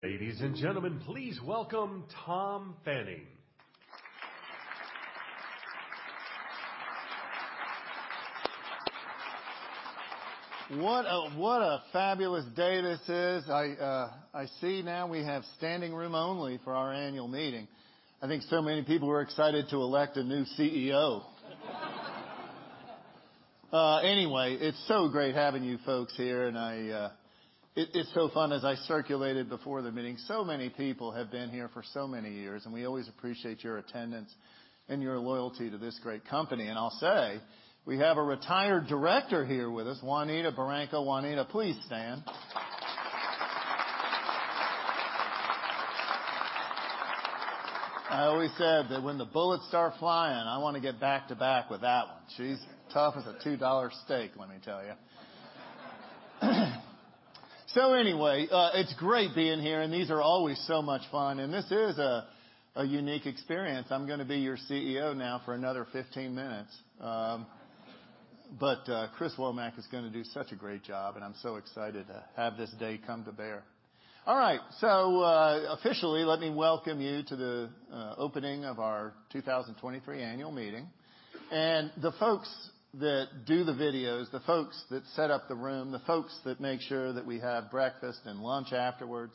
Ladies and gentlemen, please welcome Tom Fanning. What a fabulous day this is. I see now we have standing room only for our annual meeting. I think so many people were excited to elect a new CEO. Anyway, it's so great having you folks here, and I, it's so fun as I circulated before the meeting, so many people have been here for so many years, and we always appreciate your attendance and your loyalty to this great company. I'll say, we have a retired director here with us, Juanita Baranco. Juanita, please stand. I always said that when the bullets start flying, I wanna get back-to-back with that one. She's tough as a $2 steak, let me tell you. Anyway, it's great being here, and these are always so much fun. This is a unique experience. I'm gonna be your CEO now for another 15 minutes. Chris Womack is gonna do such a great job, and I'm so excited to have this day come to bear. All right, officially, let me welcome you to the opening of our 2023 annual meeting. The folks that do the videos, the folks that set up the room, the folks that make sure that we have breakfast and lunch afterwards,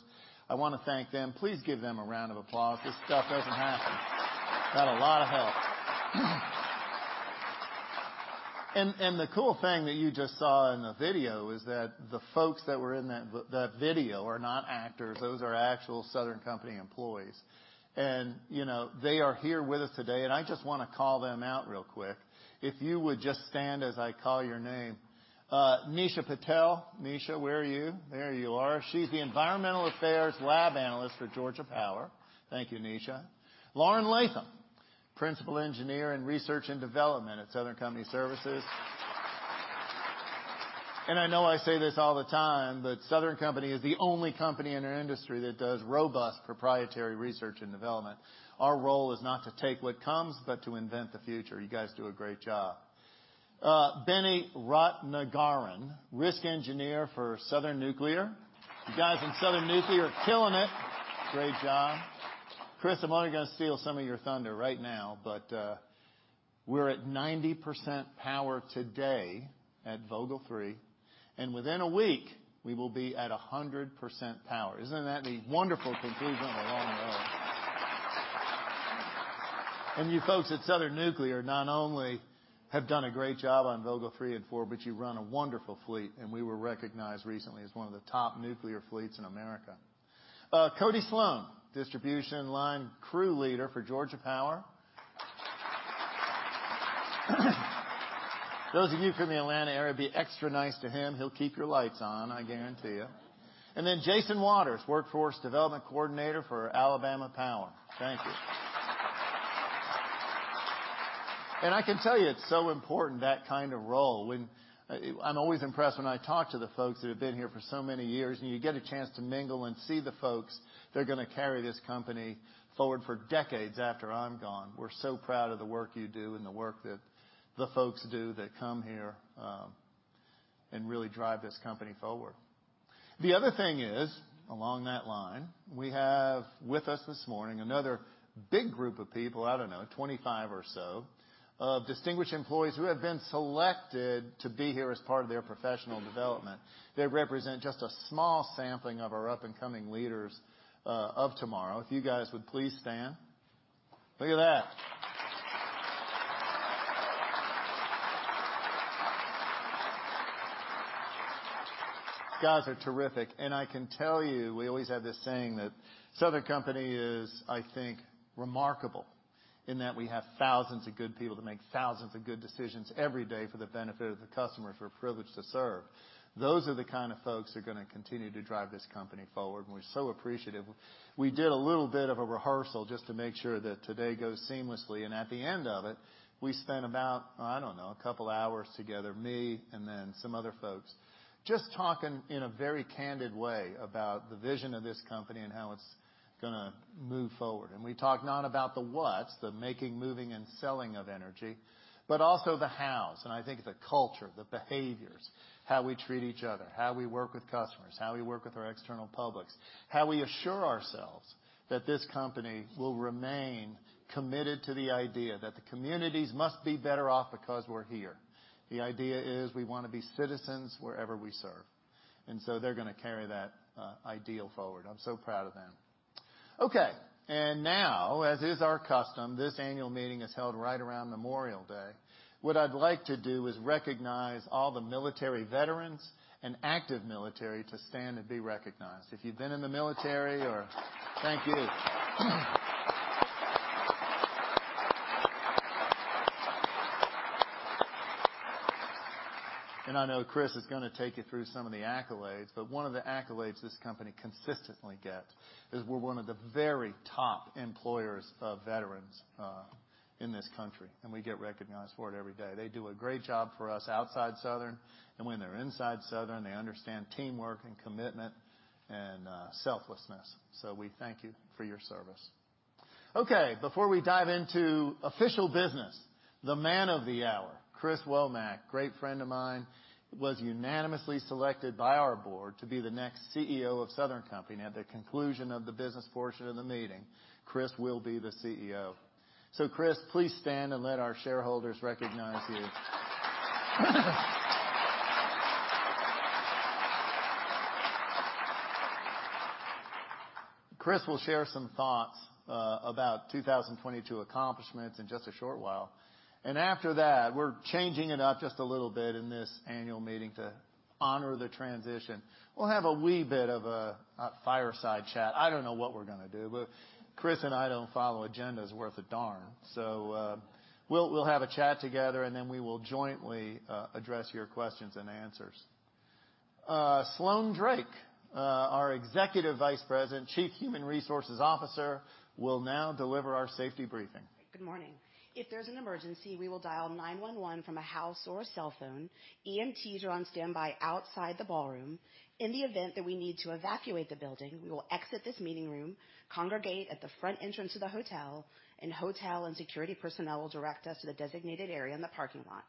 I wanna thank them. Please give them a round of applause. This stuff doesn't happen. Without a lot of help. The cool thing that you just saw in the video is that the folks that were in that video are not actors. Those are actual Southern Company employees. You know, they are here with us today, and I just wanna call them out real quick. If you would just stand as I call your name. Nisha Patel. Nisha, where are you? There you are. She's the Environmental Affairs Lab Analyst for Georgia Power. Thank you, Nisha. Lauren Latham, Principal Engineer in Research and Development at Southern Company Services. I know I say this all the time, but Southern Company is the only company in our industry that does robust proprietary research and development. Our role is not to take what comes, but to invent the future. You guys do a great job. Benny Ratnagaran, Risk Engineer for Southern Nuclear. You guys in Southern Nuclear are killing it. Great job. Chris, I'm only gonna steal some of your thunder right now, we're at 90% power today at Vogtle 3, and within a week, we will be at 100% power. Isn't that a wonderful conclusion along the road? You folks at Southern Nuclear not only have done a great job on Vogtle 3 & 4, but you run a wonderful fleet, and we were recognized recently as one of the top nuclear fleets in America. Cody Sloan, Distribution Line Crew Leader for Georgia Power. Those of you from the Atlanta area, be extra nice to him. He'll keep your lights on, I guarantee you. Then Jason Waters, Workforce Development Coordinator for Alabama Power. Thank you. I can tell you, it's so important, that kind of role. I'm always impressed when I talk to the folks that have been here for so many years, and you get a chance to mingle and see the folks that are gonna carry this company forward for decades after I'm gone. We're so proud of the work you do and the work that the folks do that come here, and really drive this company forward. The other thing is, along that line, we have with us this morning another big group of people, I don't know, 25 or so, of distinguished employees who have been selected to be here as part of their professional development. They represent just a small sampling of our up-and-coming leaders, of tomorrow. If you guys would please stand. Look at that. You guys are terrific. I can tell you, we always have this saying that Southern Company is, I think, remarkable in that we have thousands of good people that make thousands of good decisions every day for the benefit of the customers we're privileged to serve. Those are the kind of folks who are gonna continue to drive this company forward, and we're so appreciative. We did a little bit of a rehearsal just to make sure that today goes seamlessly, and at the end of it, we spent about, I don't know, a couple hours together, me and then some other folks, just talking in a very candid way about the vision of this company and how it's gonna move forward. We talked not about the whats, the making, moving, and selling of energy, but also the hows, and I think the culture, the behaviors, how we treat each other, how we work with customers, how we work with our external publics, how we assure ourselves that this company will remain committed to the idea that the communities must be better off because we're here. The idea is we wanna be citizens wherever we serve. They're gonna carry that ideal forward. I'm so proud of them. Okay, now, as is our custom, this annual meeting is held right around Memorial Day. What I'd like to do is recognize all the military veterans and active military to stand and be recognized. If you've been in the military. Thank you. I know Chris Womack is gonna take you through some of the accolades, but one of the accolades this company consistently gets is we're one of the very top employers of veterans in this country, and we get recognized for it every day. They do a great job for us outside Southern, and when they're inside Southern, they understand teamwork and commitment and selflessness. We thank you for your service. Okay, before we dive into official business, the man of the hour, Chris Womack, great friend of mine, was unanimously selected by our board to be the next CEO of Southern Company. At the conclusion of the business portion of the meeting, Chris will be the CEO. Chris, please stand and let our shareholders recognize you. Chris will share some thoughts about 2022 accomplishments in just a short while. After that, we're changing it up just a little bit in this annual meeting to honor the transition. We'll have a wee bit of a fireside chat. I don't know what we're gonna do, but Chris and I don't follow agendas worth a darn. We'll have a chat together, and then we will jointly address your questions-and-answers. Sloane Drake, our Executive Vice President, Chief Human Resources Officer, will now deliver our safety briefing. Good morning. If there's an emergency, we will dial 911 from a house or a cellphone. EMTs are on standby outside the ballroom. In the event that we need to evacuate the building, we will exit this meeting room, congregate at the front entrance of the hotel, and hotel and security personnel will direct us to the designated area in the parking lot.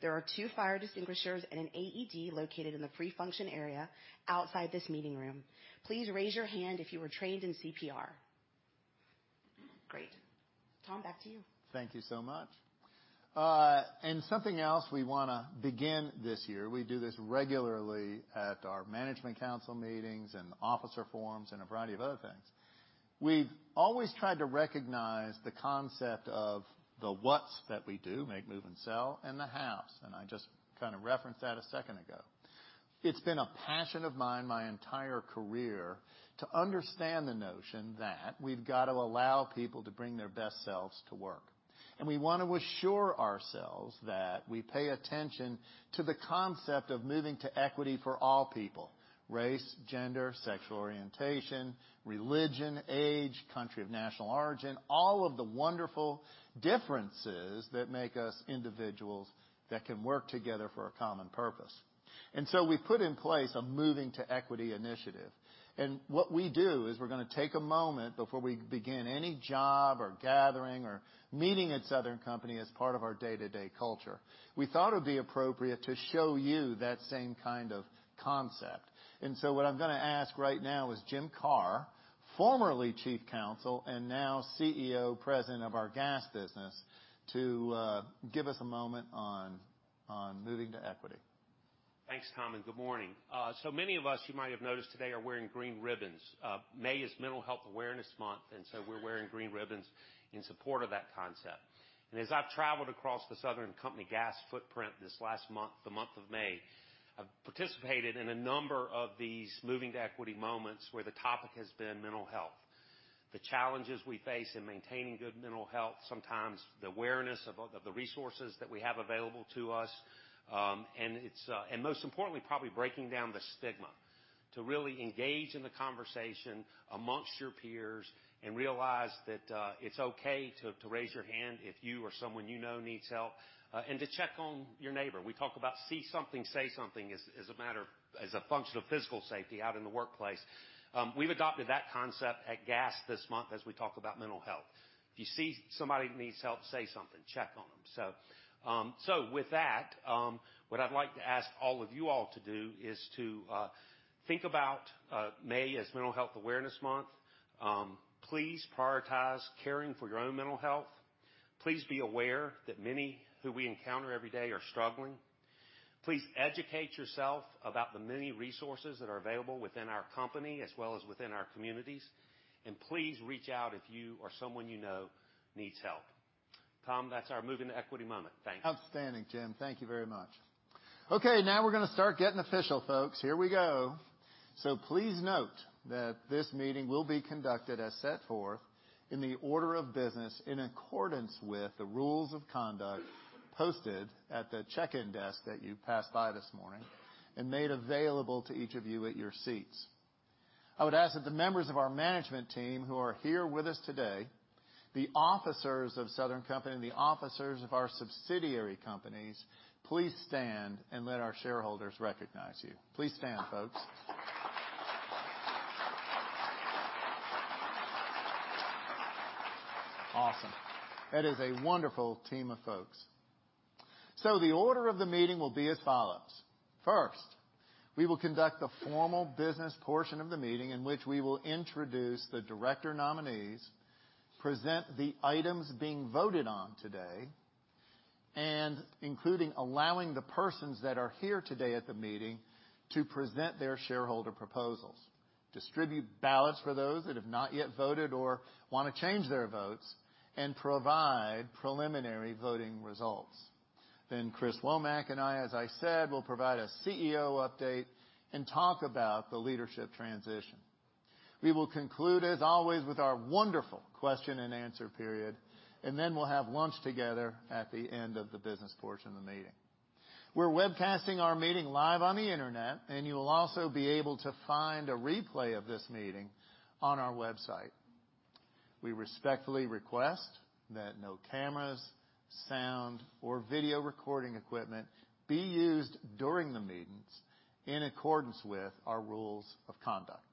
There are two fire extinguishers and an AED located in the pre-function area outside this meeting room. Please raise your hand if you were trained in CPR. Great. Tom, back to you. Thank you so much. Something else we wanna begin this year, we do this regularly at our management council meetings and officer forums, and a variety of other things. We've always tried to recognize the concept of the whats that we do, make, move, and sell, and the hows, and I just kinda referenced that a second ago. It's been a passion of mine my entire career to understand the notion that we've got to allow people to bring their best selves to work. We want to assure ourselves that we pay attention to the concept of Moving to Equity for all people, race, gender, sexual orientation, religion, age, country of national origin, all of the wonderful differences that make us individuals that can work together for a common purpose. We've put in place a Moving to Equity initiative. What we do is we're gonna take a moment before we begin any job or gathering or meeting at Southern Company as part of our day-to-day culture. We thought it would be appropriate to show you that same kind of concept. What I'm gonna ask right now is Jim Kerr, formerly Chief Counsel and now CEO, President of our Gas business, to give us a moment on Moving to Equity. Thanks, Tom, and good morning. So many of us, you might have noticed today are wearing green ribbons. May is Mental Health Awareness Month, we're wearing green ribbons in support of that concept. As I've traveled across the Southern Company Gas footprint this last month, the month of May, I've participated in a number of these Moving to Equity moments where the topic has been mental health. The challenges we face in maintaining good mental health, sometimes the awareness of the resources that we have available to us, and it's and most importantly, probably breaking down the stigma to really engage in the conversation amongst your peers and realize that it's okay to to raise your hand if you or someone you know needs help, and to check on your neighbor. We talk about see something, say something as a matter of, as a function of physical safety out in the workplace. We've adopted that concept at gas this month as we talk about mental health. If you see somebody who needs help, say something, check on them. With that, what I'd like to ask all of you all to do is to think about May as Mental Health Awareness Month. Please prioritize caring for your own mental health. Please be aware that many who we encounter every day are struggling. Please educate yourself about the many resources that are available within our company as well as within our communities. Please reach out if you or someone you know needs help. Tom, that's our Moving to Equity moment. Thank you. Outstanding, Jim. Thank you very much. Now we're gonna start getting official, folks. Here we go. Please note that this meeting will be conducted as set forth in the order of business in accordance with the rules of conduct posted at the check-in desk that you passed by this morning, and made available to each of you at your seats. I would ask that the members of our management team who are here with us today, the officers of Southern Company and the officers of our subsidiary companies, please stand and let our shareholders recognize you. Please stand, folks. Awesome. That is a wonderful team of folks. The order of the meeting will be as follows. We will conduct the formal business portion of the meeting in which we will introduce the director nominees, present the items being voted on today, including allowing the persons that are here today at the meeting to present their shareholder proposals, distribute ballots for those that have not yet voted or want to change their votes, and provide preliminary voting results. Chris Womack and I, as I said, will provide a CEO update and talk about the leadership transition. We will conclude, as always, with our wonderful question-and-answer period. We'll have lunch together at the end of the business portion of the meeting. We're webcasting our meeting live on the Internet. You will also be able to find a replay of this meeting on our website. We respectfully request that no cameras, sound, or video recording equipment be used during the meetings. In accordance with our rules of conduct.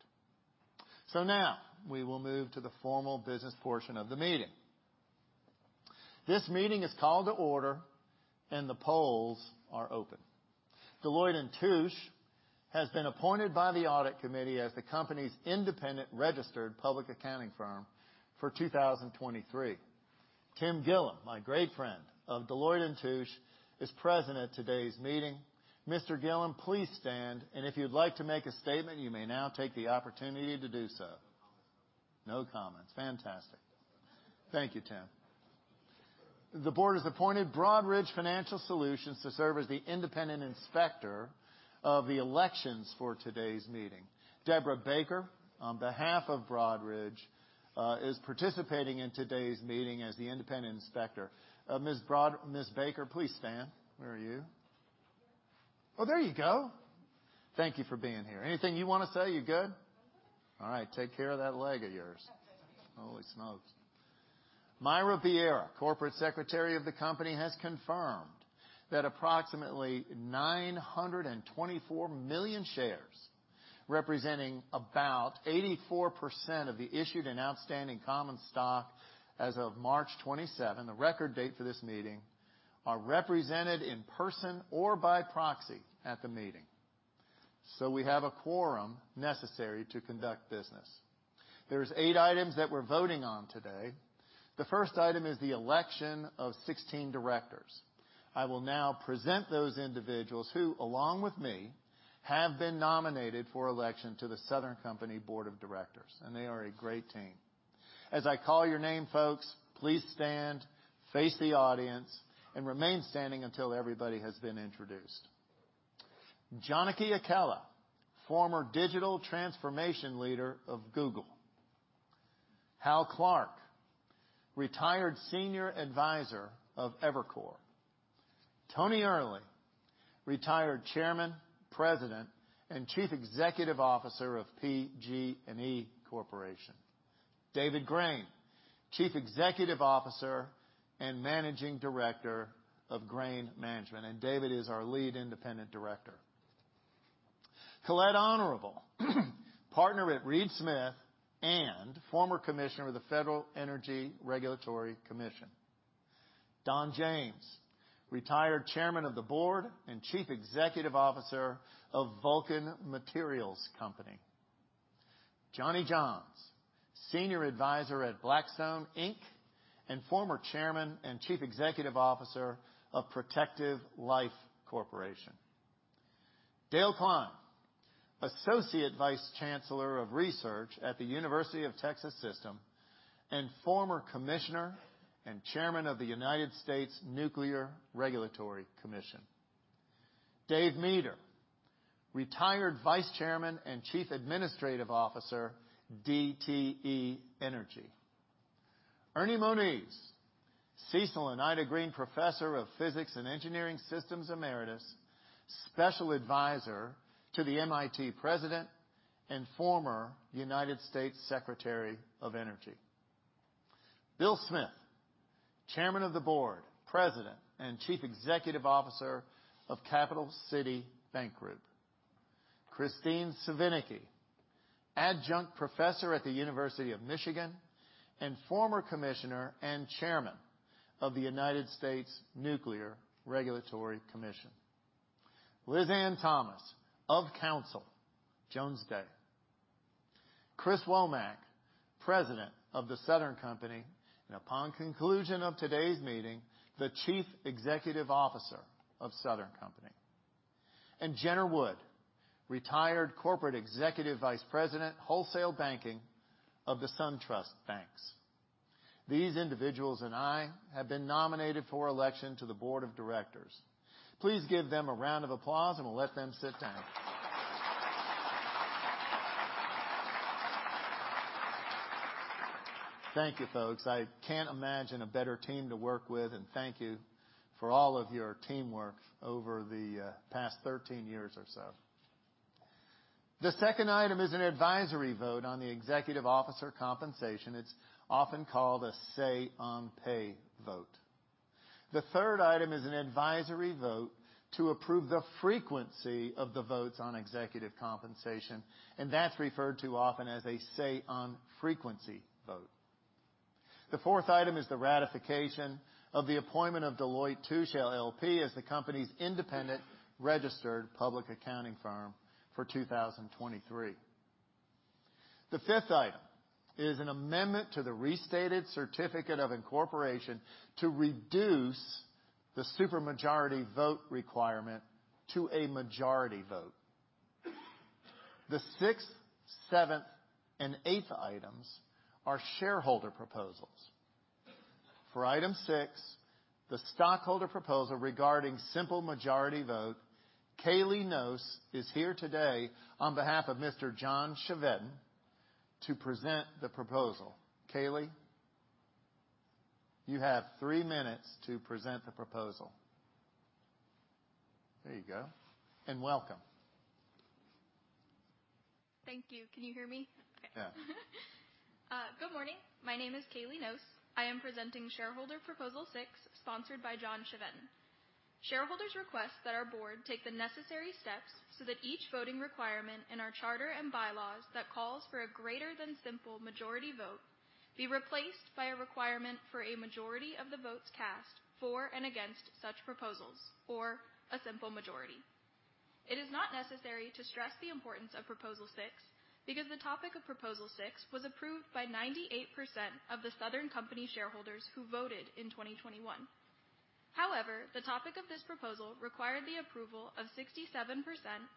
Now we will move to the formal business portion of the meeting. This meeting is called to order, and the polls are open. Deloitte & Touche has been appointed by the Audit Committee as the company's independent registered public accounting firm for 2023. Tim Gillum, my great friend of Deloitte & Touche, is present at today's meeting. Mr. Gillum, please stand, and if you'd like to make a statement, you may now take the opportunity to do so. No comments. Fantastic. Thank you, Tim. The board has appointed Broadridge Financial Solutions to serve as the independent inspector of the elections for today's meeting. Debra Baker, on behalf of Broadridge, is participating in today's meeting as the independent inspector. Ms. Baker, please stand. Where are you? Oh, there you go. Thank you for being here. Anything you wanna say? You good? I'm good. All right. Take care of that leg of yours. Holy smokes. Myra Bierria, corporate secretary of the company, has confirmed that approximately 924 million shares, representing about 84% of the issued and outstanding common stock as of March 27, the record date for this meeting, are represented in person or by proxy at the meeting. We have a quorum necessary to conduct business. There's eight items that we're voting on today. The first item is the election of 16 directors. I will now present those individuals who, along with me, have been nominated for election to the Southern Company Board of Directors. They are a great team. As I call your name, folks, please stand, face the audience, and remain standing until everybody has been introduced. Janaki Akella, former Digital Transformation Leader of Google. Hal Clark, retired Senior Advisor of Evercore. Tony Earley, retired Chairman, President and Chief Executive Officer of PG&E Corporation. David Grain, Chief Executive Officer and Managing Director of Grain Management, and David is our Lead Independent Director. Colette Honorable, Partner at Reed Smith and former Commissioner of the Federal Energy Regulatory Commission. Don James, retired Chairman of the Board and Chief Executive Officer of Vulcan Materials Company. Johnny Johns, Senior Advisor at Blackstone Inc., and former Chairman and Chief Executive Officer of Protective Life Corporation. Dale Klein, Associate Vice Chancellor of Research at University of Texas System and former Commissioner and Chairman of the United States Nuclear Regulatory Commission. Dave Meador, retired Vice Chairman and Chief Administrative Officer, DTE Energy. Ernie Moniz, Cecil and Ida Green Professor of Physics and Engineering Systems, Emeritus, Special Advisor to the MIT President and former United States Secretary of Energy. Bill Smith, Chairman of the Board, President and Chief Executive Officer of Capital City Bank Group. Kristine Svinicki, Adjunct Professor at the University of Michigan and former Commissioner and Chairman of the United States Nuclear Regulatory Commission. Lizanne Thomas, Of Counsel, Jones Day. Chris Womack, President of The Southern Company, and upon conclusion of today's meeting, the Chief Executive Officer of Southern Company. Jenner Wood, retired Corporate Executive Vice President, Wholesale Banking of SunTrust Banks. These individuals and I have been nominated for election to the Board of Directors. Please give them a round of applause, and we'll let them sit down. Thank you, folks. I can't imagine a better team to work with, and thank you for all of your teamwork over the past 13 years or so. The second item is an advisory vote on the executive officer compensation. It's often called a say on pay vote. The third item is an advisory vote to approve the frequency of the votes on executive compensation, and that's referred to often as a say on frequency vote. The fourth item is the ratification of the appointment of Deloitte & Touche LLP as the company's independent registered public accounting firm for 2023. The fifth item is an amendment to the restated certificate of incorporation to reduce the super majority vote requirement to a majority vote. The sixth, seventh, and eighth items are shareholder proposals. For Item 6, the stockholder proposal regarding simple majority vote, Kaylea Noce is here today on behalf of Mr. John Chevedden to present the proposal. Kaylea, you have three minutes to present the proposal. There you go. Welcome. Thank you. Can you hear me? Yeah. Good morning. My name is Kaylea Noce. I am presenting shareholder Proposal 6, sponsored by John Chevedden. Shareholders request that our board take the necessary steps so that each voting requirement in our charter and bylaws that calls for a greater than simple majority vote be replaced by a requirement for a majority of the votes cast for and against such proposals or a simple majority. It is not necessary to stress the importance of Proposal 6, because the topic of Proposal 6 was approved by 98% of the Southern Company shareholders who voted in 2021. However, the topic of this proposal required the approval of 67%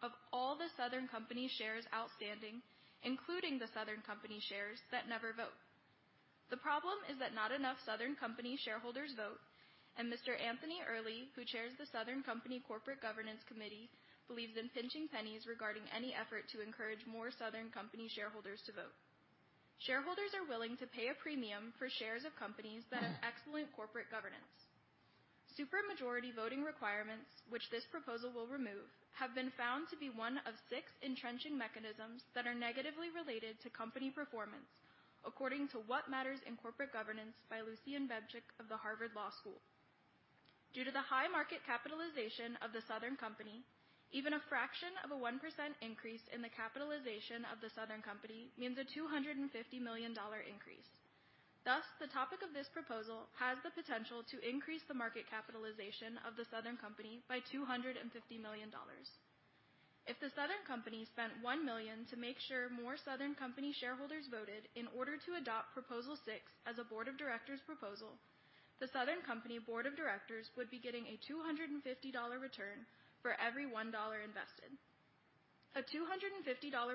of all the Southern Company shares outstanding, including the Southern Company shares that never vote. The problem is that not enough Southern Company shareholders vote, and Mr. Anthony Earley, who chairs the Southern Company Corporate Governance Committee, believes in pinching pennies regarding any effort to encourage more Southern Company shareholders to vote. Shareholders are willing to pay a premium for shares of companies that have excellent corporate governance. Super majority voting requirements, which this proposal will remove, have been found to be one of six entrenching mechanisms that are negatively related to company performance, according to What Matters in Corporate Governance by Lucian Bebchuk of the Harvard Law School. Due to the high market capitalization of the Southern Company, even a fraction of a 1% increase in the capitalization of the Southern Company means a $250 million increase. The topic of this proposal has the potential to increase the market capitalization of the Southern Company by $250 million. If the Southern Company spent $1 million to make sure more Southern Company shareholders voted in order to adopt Proposal 6 as a Board of Directors proposal, the Southern Company Board of Directors would be getting a $250 return for every $1 invested. A $250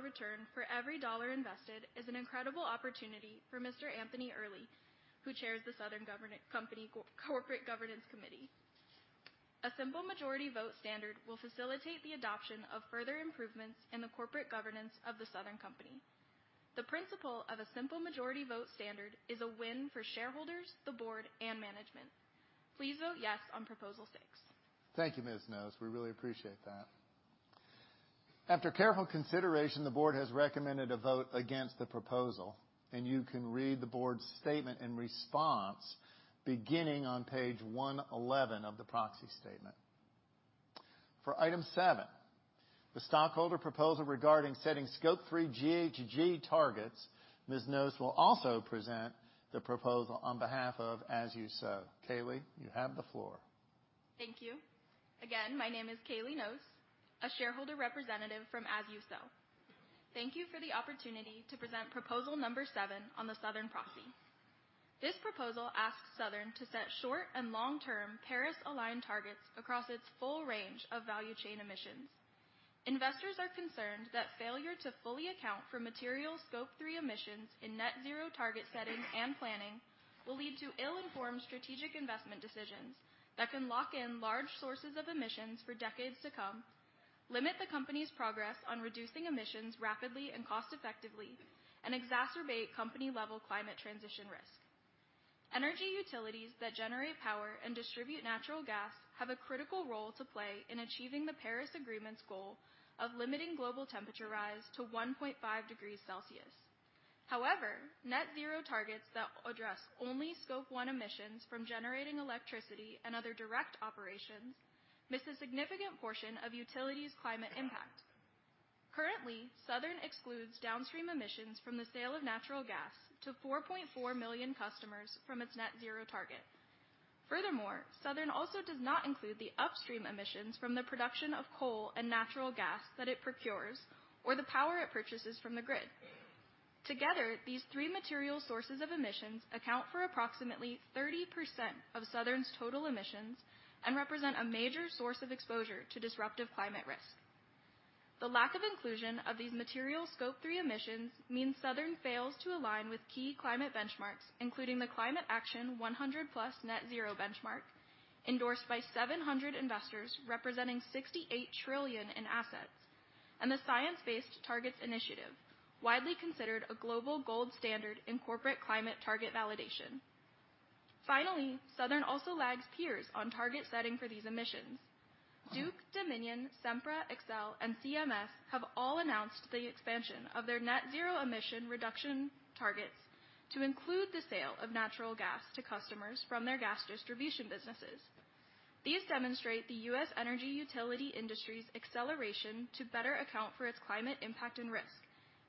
return for every $1 invested is an incredible opportunity for Mr. Anthony Earley, who chairs the Southern Company Corporate Governance Committee. A simple majority vote standard will facilitate the adoption of further improvements in the corporate governance of the Southern Company. The principle of a simple majority vote standard is a win for shareholders, the board, and management. Please vote yes on Proposal 6. Thank you, Ms. Noce. We really appreciate that. After careful consideration, the board has recommended a vote against the proposal. You can read the board's statement and response beginning on page 111 of the proxy statement. For Item 7, the stockholder proposal regarding setting Scope 3 GHG targets. Ms. Noce will also present the proposal on behalf of As You Sow. Kaylea, you have the floor. Thank you. Again, my name is Kaylea Noce, a shareholder representative from As You Sow. Thank you for the opportunity to present Proposal number 7 on the Southern proxy. This proposal asks Southern to set short and long-term Paris-aligned targets across its full range of value chain emissions. Investors are concerned that failure to fully account for material Scope 3 emissions in net zero target setting and planning will lead to ill-informed strategic investment decisions that can lock in large sources of emissions for decades to come, limit the company's progress on reducing emissions rapidly and cost effectively, and exacerbate company-level climate transition risk. Energy utilities that generate power and distribute natural gas have a critical role to play in achieving the Paris Agreement's goal of limiting global temperature rise to 1.5 degrees Celsius. Net zero targets that address only Scope 1 emissions from generating electricity and other direct operations miss a significant portion of utilities' climate impact. Currently, Southern excludes downstream emissions from the sale of natural gas to 4.4 million customers from its net zero target. Furthermore, Southern also does not include the upstream emissions from the production of coal and natural gas that it procures or the power it purchases from the grid. Together, these three material sources of emissions account for approximately 30% of Southern's total emissions and represent a major source of exposure to disruptive climate risk. The lack of inclusion of these material Scope 3 emissions means Southern fails to align with key climate benchmarks, including the Climate Action 100+ net zero benchmark, endorsed by 700 investors representing $68 trillion in assets, and the Science Based Targets initiative, widely considered a global gold standard in corporate climate target validation. Southern also lags peers on target setting for these emissions. Duke, Dominion, Sempra, Xcel, and CMS have all announced the expansion of their net zero emission reduction targets to include the sale of natural gas to customers from their gas distribution businesses. These demonstrate the U.S. energy utility industry's acceleration to better account for its climate impact and risk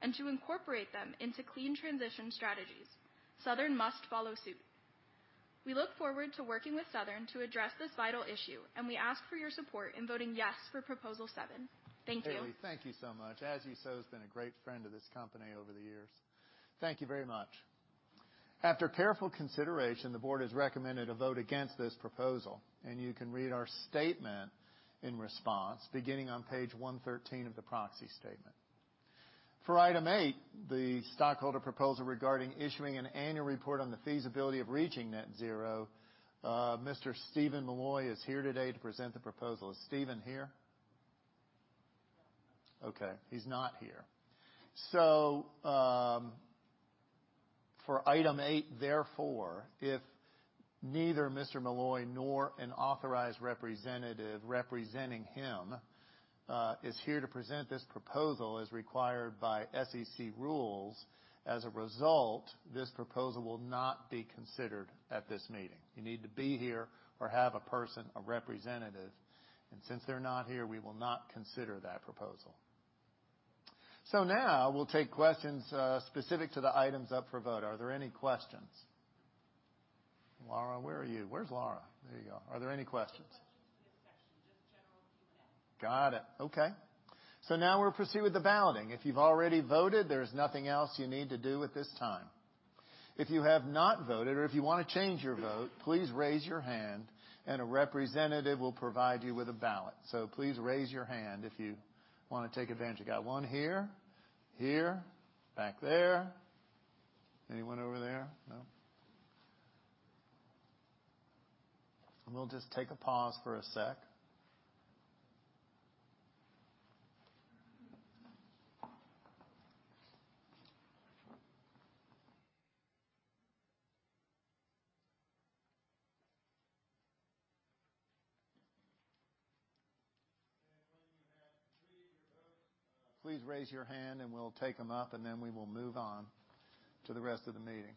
and to incorporate them into clean transition strategies. Southern must follow suit. We look forward to working with Southern Company to address this vital issue. We ask for your support in voting yes for Proposal 7. Thank you. Kaylea, thank you so much. As You Sow has been a great friend of this company over the years. Thank you very much. After careful consideration, the Board has recommended a vote against this proposal. You can read our statement in response beginning on page 113 of the proxy statement. For Item 8, the stockholder proposal regarding issuing an annual report on the feasibility of reaching net zero. Mr. Steven Milloy is here today to present the proposal. Is Steven here? Okay, he's not here. For Item 8, therefore, if neither Mr. Milloy nor an authorized representative representing him is here to present this proposal as required by SEC rules, as a result, this proposal will not be considered at this meeting. You need to be here or have a person, a representative. Since they're not here, we will not consider that proposal. Now we'll take questions specific to the items up for vote. Are there any questions? Laura, where are you? Where's Laura? There you go. Are there any questions? No questions for this session, just general Q&A. Got it. Okay. Now we'll proceed with the balloting. If you've already voted, there is nothing else you need to do at this time. If you have not voted or if you wanna change your vote, please raise your hand and a representative will provide you with a ballot. Please raise your hand if you wanna take advantage. I got one here, back there. Anyone over there? No. We'll just take a pause for a sec. When you have three of your votes- Please raise your hand, and we'll take them up, and then we will move on to the rest of the meeting.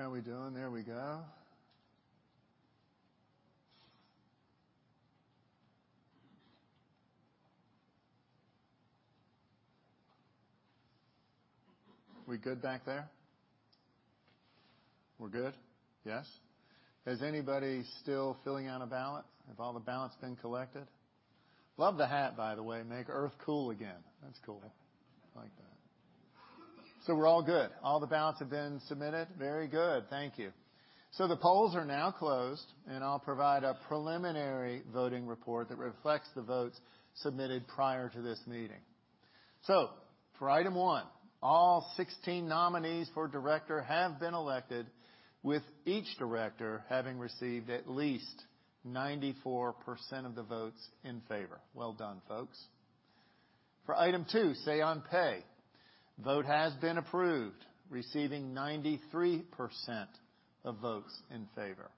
How are we doing? There we go. We good back there? We're good? Yes. Is anybody still filling out a ballot? Have all the ballots been collected? Love the hat, by the way. Make Earth cool again. That's cool. I like that. We're all good. All the ballots have been submitted. Very good. Thank you. The polls are now closed, and I'll provide a preliminary voting report that reflects the votes submitted prior to this meeting. For Item 1, all 16 nominees for director have been elected, with each director having received at least 94% of the votes in favor. Well done, folks. For Item 2, say on pay, vote has been approved, receiving 93% of votes in favor.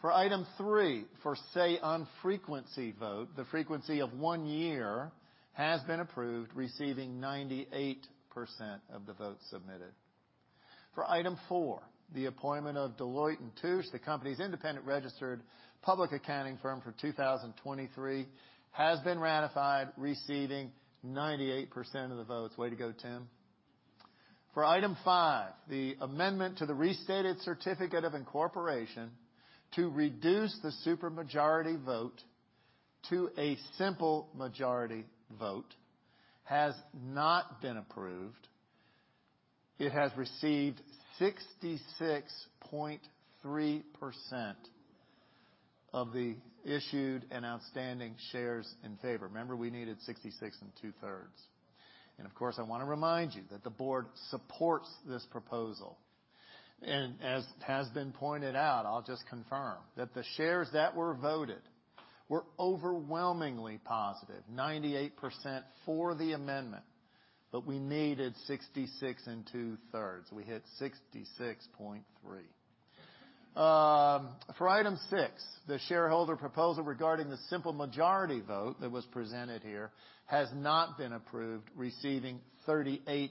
For Item 3, for say on frequency vote, the frequency of one year has been approved, receiving 98% of the votes submitted. For Item 4, the appointment of Deloitte & Touche, the company's independent registered public accounting firm for 2023, has been ratified, receiving 98% of the votes. Way to go, Tim. For Item 5, the amendment to the restated certificate of incorporation to reduce the super majority vote to a simple majority vote has not been approved. It has received 66.3% of the issued and outstanding shares in favor. Remember, we needed 66% and 2/3. Of course, I wanna remind you that the board supports this proposal. As has been pointed out, I'll just confirm that the shares that were voted were overwhelmingly positive, 98% for the amendment, but we needed 66% and 2/3. We hit 66.3%. For Item 6, the shareholder proposal regarding the simple majority vote that was presented here has not been approved, receiving 38%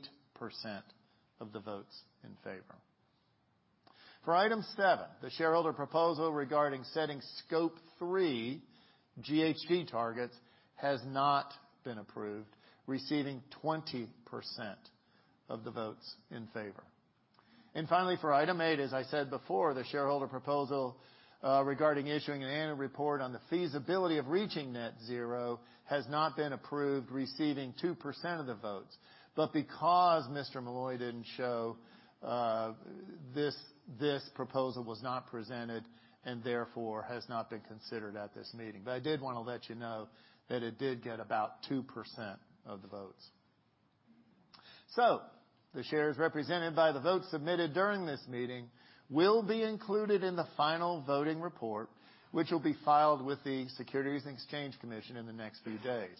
of the votes in favor. For Item 7, the shareholder proposal regarding setting Scope 3 GHG targets has not been approved, receiving 20% of the votes in favor. Finally, for Item 8, as I said before, the shareholder proposal regarding issuing an annual report on the feasibility of reaching net zero has not been approved, receiving 2% of the votes. Because Mr. Milloy didn't show, this proposal was not presented and therefore has not been considered at this meeting. I did wanna let you know that it did get about 2% of the votes. The shares represented by the votes submitted during this meeting will be included in the final voting report, which will be filed with the Securities and Exchange Commission in the next few days.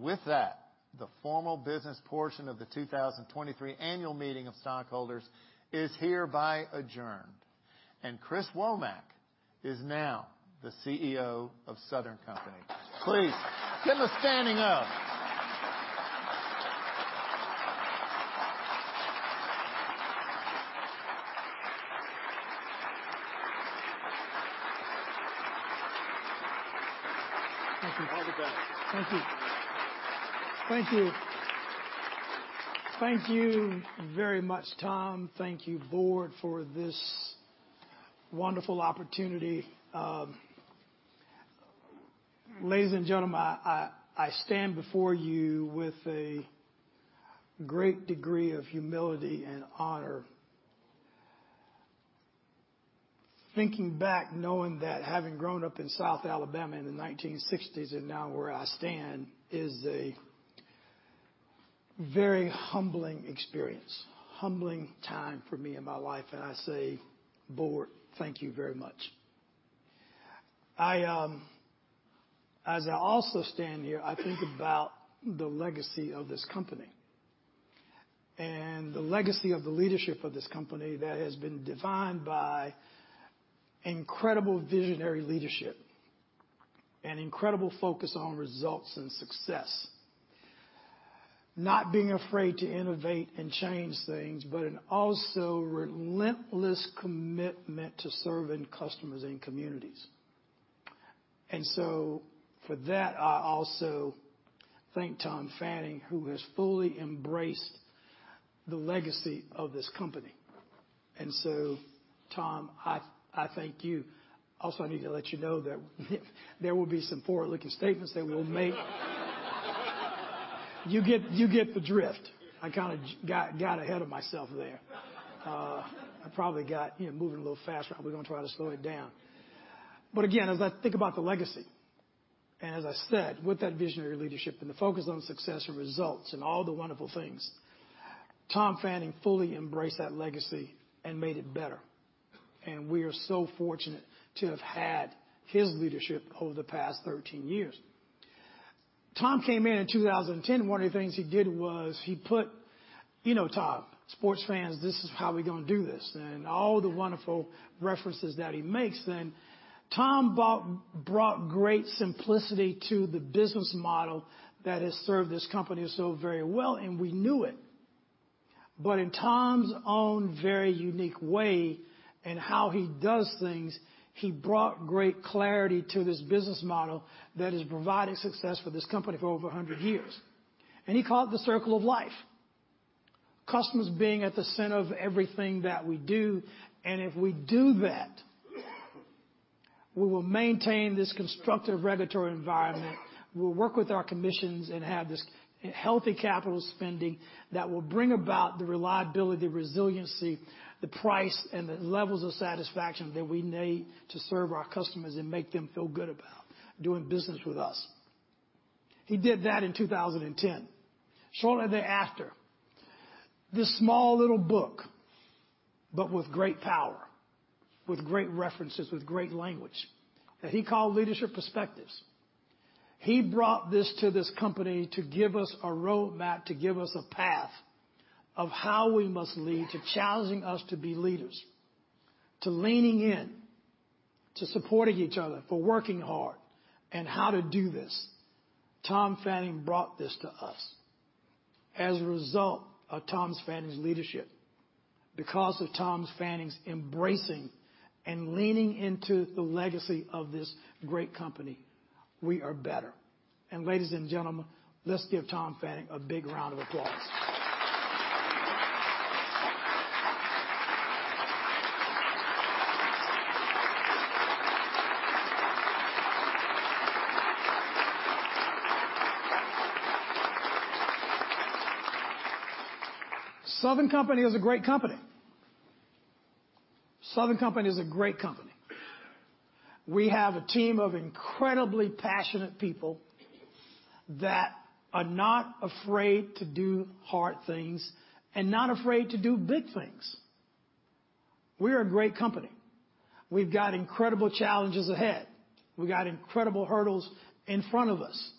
With that, the formal business portion of the 2023 annual meeting of stockholders is hereby adjourned. Chris Womack is now the CEO of Southern Company. Please give him a standing O. Thank you. All the best. Thank you. Thank you. Thank you very much, Tom. Thank you, board, for this wonderful opportunity. Ladies and gentlemen, I stand before you with a great degree of humility and honor. Thinking back, knowing that having grown up in South Alabama in the 1960s and now where I stand is a very humbling experience, humbling time for me in my life, and I say, board, thank you very much. As I also stand here, I think about the legacy of this company and the legacy of the leadership of this company that has been defined by incredible visionary leadership and incredible focus on results and success. Not being afraid to innovate and change things, but in also relentless commitment to serving customers and communities. For that, I also thank Tom Fanning, who has fully embraced the legacy of this company. Tom, I thank you. I need to let you know that there will be some forward-looking statements that we'll make. You get the drift. I kinda got ahead of myself there. I probably got, you know, moving a little faster. We're gonna try to slow it down. Again, as I think about the legacy, and as I said, with that visionary leadership and the focus on success and results and all the wonderful things, Tom Fanning fully embraced that legacy and made it better. We are so fortunate to have had his leadership over the past 13 years. Tom came in in 2010, and one of the things he did was he put... You know, Tom, sports fans, this is how we're gonna do this, and all the wonderful references that he makes then. Tom brought great simplicity to the business model that has served this company so very well, and we knew it. In Tom's own very unique way and how he does things, he brought great clarity to this business model that has provided success for this company for over a hundred years. He called it the Circle of Life. Customers being at the center of everything that we do, and if we do that, we will maintain this constructive regulatory environment, we'll work with our commissions and have this healthy capital spending that will bring about the reliability, resiliency, the price, and the levels of satisfaction that we need to serve our customers and make them feel good about doing business with us. He did that in 2010. Shortly thereafter, this small little book, but with great power, with great references, with great language, that he called Leadership Perspectives. He brought this to this company to give us a roadmap, to give us a path of how we must lead to challenging us to be leaders, to leaning in, to supporting each other, for working hard and how to do this. Tom Fanning brought this to us. As a result of Tom Fanning's leadership, because of Tom Fanning's embracing and leaning into the legacy of this great company, we are better. And ladies and gentlemen, let's give Tom Fanning a big round of applause. Southern Company is a great company. Southern Company is a great company. We have a team of incredibly passionate people that are not afraid to do hard things and not afraid to do big things. We are a great company. We've got incredible challenges ahead. We've got incredible hurdles in front of us.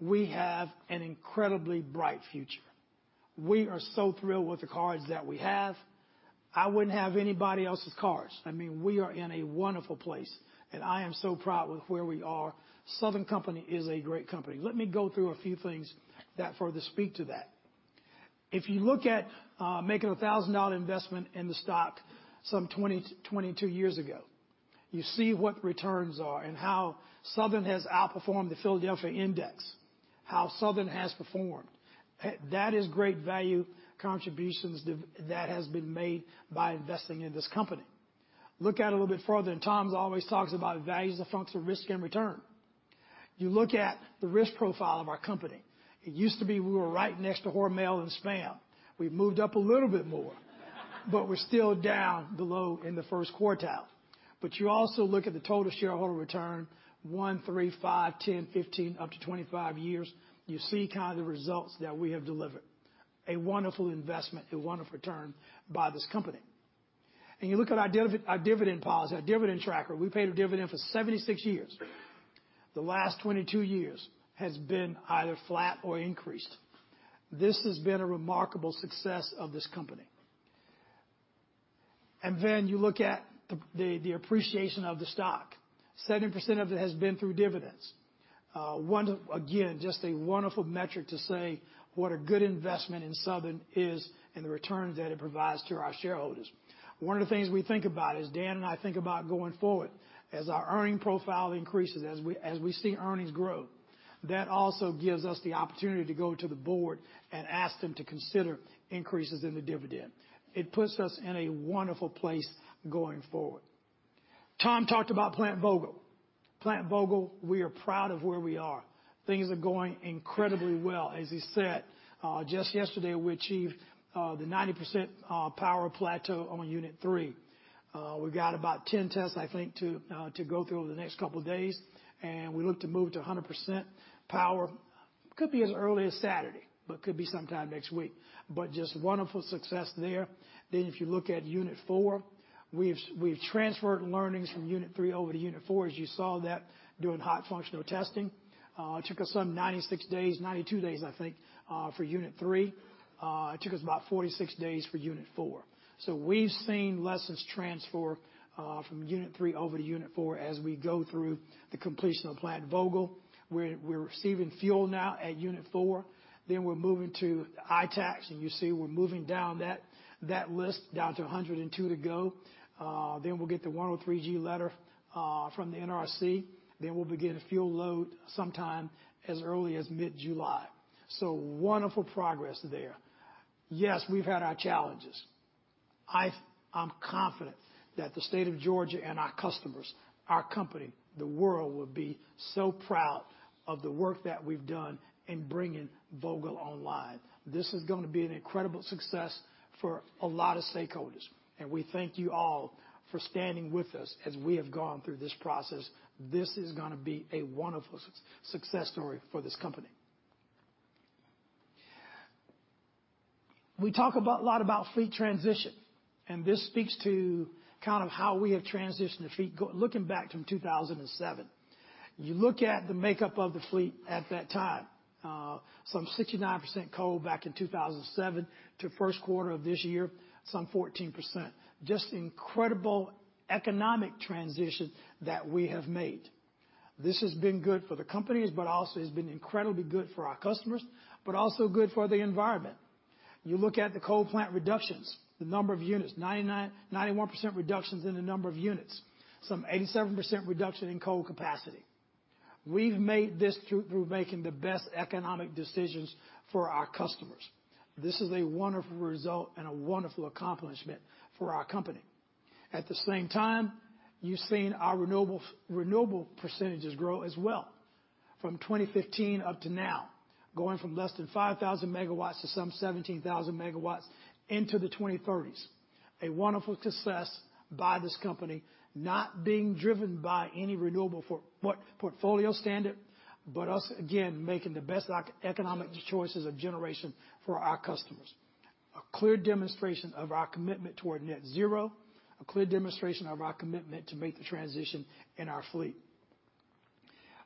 We have an incredibly bright future. We are so thrilled with the cards that we have. I wouldn't have anybody else's cards. I mean, we are in a wonderful place, and I am so proud with where we are. Southern Company is a great company. Let me go through a few things that further speak to that. If you look at making a $1,000 investment in the stock some 20, 22 years ago. You see what the returns are and how Southern has outperformed the Philadelphia index, how Southern has performed. That is great value contributions that has been made by investing in this company. Look out a little bit further, Tom's always talks about values, the function of risk and return. You look at the risk profile of our company. It used to be we were right next to Hormel and Spam. We've moved up a little bit more, but we're still down below in the first quartile. You also look at the total shareholder return one, three, five, 10, 15, up to 25 years. You see kind of the results that we have delivered. A wonderful investment, a wonderful return by this company. You look at our dividend policy, our dividend tracker. We paid a dividend for 76 years. The last 22 years has been either flat or increased. This has been a remarkable success of this company. Then you look at the appreciation of the stock. 70% of it has been through dividends. Again, just a wonderful metric to say what a good investment in Southern is and the returns that it provides to our shareholders. One of the things we think about as Dan and I think about going forward, as our earning profile increases, as we see earnings grow, that also gives us the opportunity to go to the board and ask them to consider increases in the dividend. It puts us in a wonderful place going forward. Tom talked about Plant Vogtle. Plant Vogtle, we are proud of where we are. Things are going incredibly well. As he said, just yesterday, we achieved the 90% power plateau on Unit 3. We've got about 10 tests, I think to go through over the next couple of days, and we look to move to 100% power. Could be as early as Saturday, could be sometime next week. Just wonderful success there. If you look at unit four, we've transferred learnings from unit three over to unit four, as you saw that doing hot functional testing. It took us some 96 days, 92 days, I think, for unit three. It took us about 46 days for unit four. We've seen lessons transfer from unit three over to unit four as we go through the completion of Plant Vogtle. We're receiving fuel now at unit four, then we're moving to ITAACs, and you see we're moving down that list down to 102 to go. Then we'll get the 103(g) letter from the NRC. We'll begin a fuel load sometime as early as mid-July. Wonderful progress there. Yes, we've had our challenges. I'm confident that the state of Georgia and our customers, our company, the world will be so proud of the work that we've done in bringing Vogtle online. This is gonna be an incredible success for a lot of stakeholders. We thank you all for standing with us as we have gone through this process. This is gonna be a wonderful success story for this company. We talk a lot about fleet transition, and this speaks to kind of how we have transitioned the fleet looking back from 2007. You look at the makeup of the fleet at that time, some 69% coal back in 2007 to first quarter of this year, some 14%. Just incredible economic transition that we have made. This has been good for the company, but also has been incredibly good for our customers, but also good for the environment. You look at the coal plant reductions, the number of units, 99%, 91% reductions in the number of units, some 87% reduction in coal capacity. We've made this through making the best economic decisions for our customers. This is a wonderful result and a wonderful accomplishment for our company. At the same time, you've seen our renewable percentages grow as well from 2015 up to now, going from less than 5,000 megawatts to some 17,000 megawatts into the 2030s. A wonderful success by this company, not being driven by any renewable portfolio standard, but us again, making the best economic choices of generation for our customers. A clear demonstration of our commitment toward net zero, a clear demonstration of our commitment to make the transition in our fleet.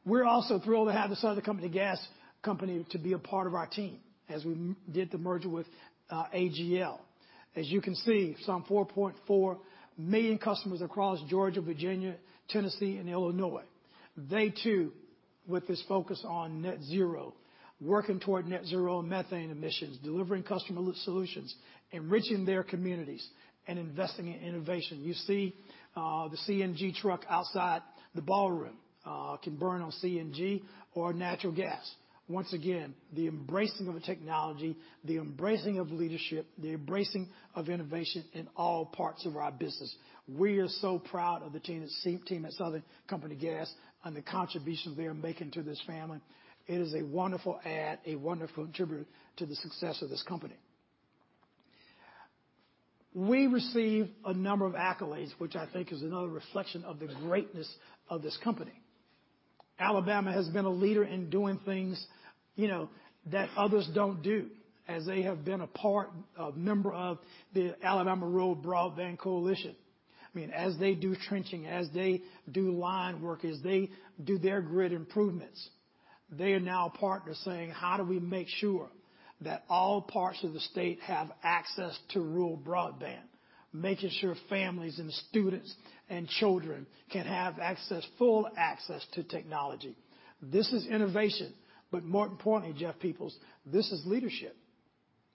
We're also thrilled to have the Southern Company Gas company to be a part of our team as we did the merger with AGL. As you can see, some 4.4 million customers across Georgia, Virginia, Tennessee, and Illinois. They too, with this focus on net zero, working toward net zero methane emissions, delivering customer solutions, enriching their communities and investing in innovation. You see, the CNG truck outside the ballroom, can burn on CNG or natural gas. Once again, the embracing of a technology, the embracing of leadership, the embracing of innovation in all parts of our business. We are so proud of the team at Southern Company Gas and the contributions they are making to this family. It is a wonderful add, a wonderful contributor to the success of this company. We receive a number of accolades, which I think is another reflection of the greatness of this company. Alabama has been a leader in doing things, you know, that others don't do, as they have been a part, a member of the Alabama Rural Broadband Coalition. I mean, as they do trenching, as they do line work, as they do their grid improvements, they are now partners saying, "How do we make sure that all parts of the state have access to rural broadband?" Making sure families and students and children can have access, full access to technology. This is innovation, but more importantly, Jeff Peoples, this is leadership.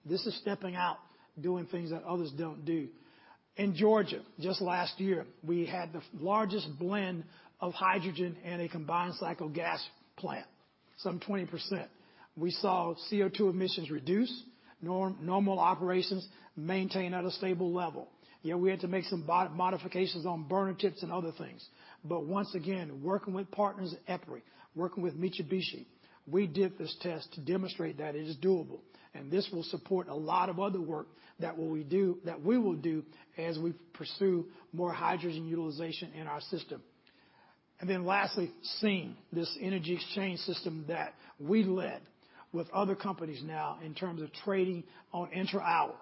This is stepping out, doing things that others don't do. In Georgia, just last year, we had the largest blend of hydrogen in a combined cycle gas plant, some 20%. We saw CO2 emissions reduce, normal operations maintain at a stable level. Yeah, we had to make some modifications on burner tips and other things, but once again, working with partners at EPRI, working with Mitsubishi, we did this test to demonstrate that it is doable. This will support a lot of other work that we will do as we pursue more hydrogen utilization in our system. Lastly, SEEM, this energy exchange system that we led with other companies now in terms of trading on intra-hour,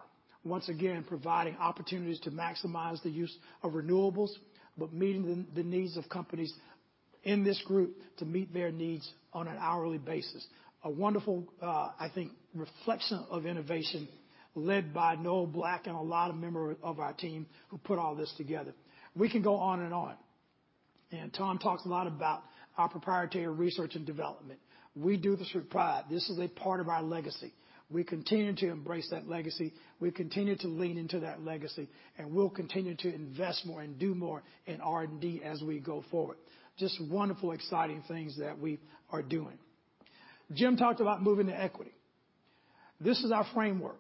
once again, providing opportunities to maximize the use of renewables, but meeting the needs of companies in this group to meet their needs on an hourly basis. A wonderful, I think reflection of innovation led by Noel Black and a lot of member of our team who put all this together. We can go on and on. Tom talks a lot about our proprietary research and development. We do this with pride. This is a part of our legacy. We continue to embrace that legacy. We continue to lean into that legacy, and we'll continue to invest more and do more in R&D as we go forward. Just wonderful, exciting things that we are doing. Jim talked about Moving to Equity. This is our framework.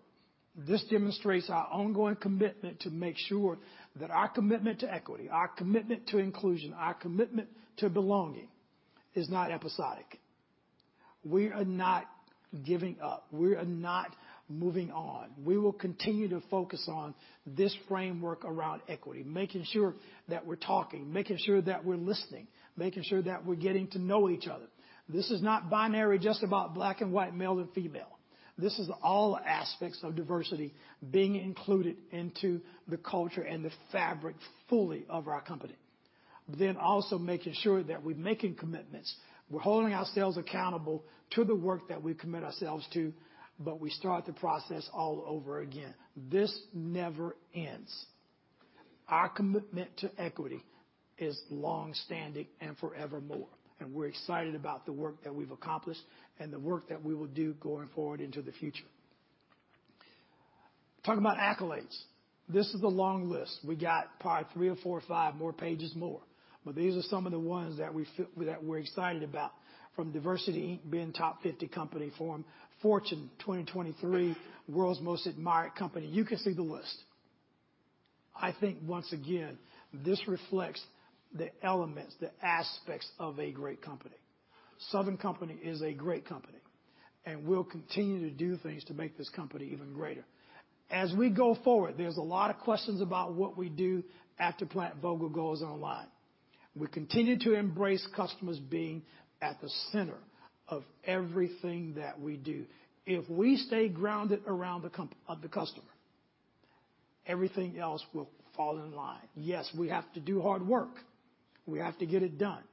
This demonstrates our ongoing commitment to make sure that our commitment to equity, our commitment to inclusion, our commitment to belonging is not episodic. We are not giving up. We are not moving on. We will continue to focus on this framework around equity, making sure that we're talking, making sure that we're listening, making sure that we're getting to know each other. This is not binary, just about black and white, male and female. This is all aspects of diversity being included into the culture and the fabric fully of our company. Also making sure that we're making commitments. We're holding ourselves accountable to the work that we commit ourselves to, but we start the process all over again. This never ends. Our commitment to equity is longstanding and forevermore, and we're excited about the work that we've accomplished and the work that we will do going forward into the future. Talk about accolades. This is a long list. We got probably three or four or five more pages more, but these are some of the ones that we feel that we're excited about. From DiversityInc being top 50 company, Fortune 2023 World's Most Admired Company. You can see the list. I think once again, this reflects the elements, the aspects of a great company. Southern Company is a great company, and we'll continue to do things to make this company even greater. As we go forward, there's a lot of questions about what we do after Plant Vogtle goes online. We continue to embrace customers being at the center of everything that we do. If we stay grounded around the customer, everything else will fall in line. Yes, we have to do hard work. We have to get it done.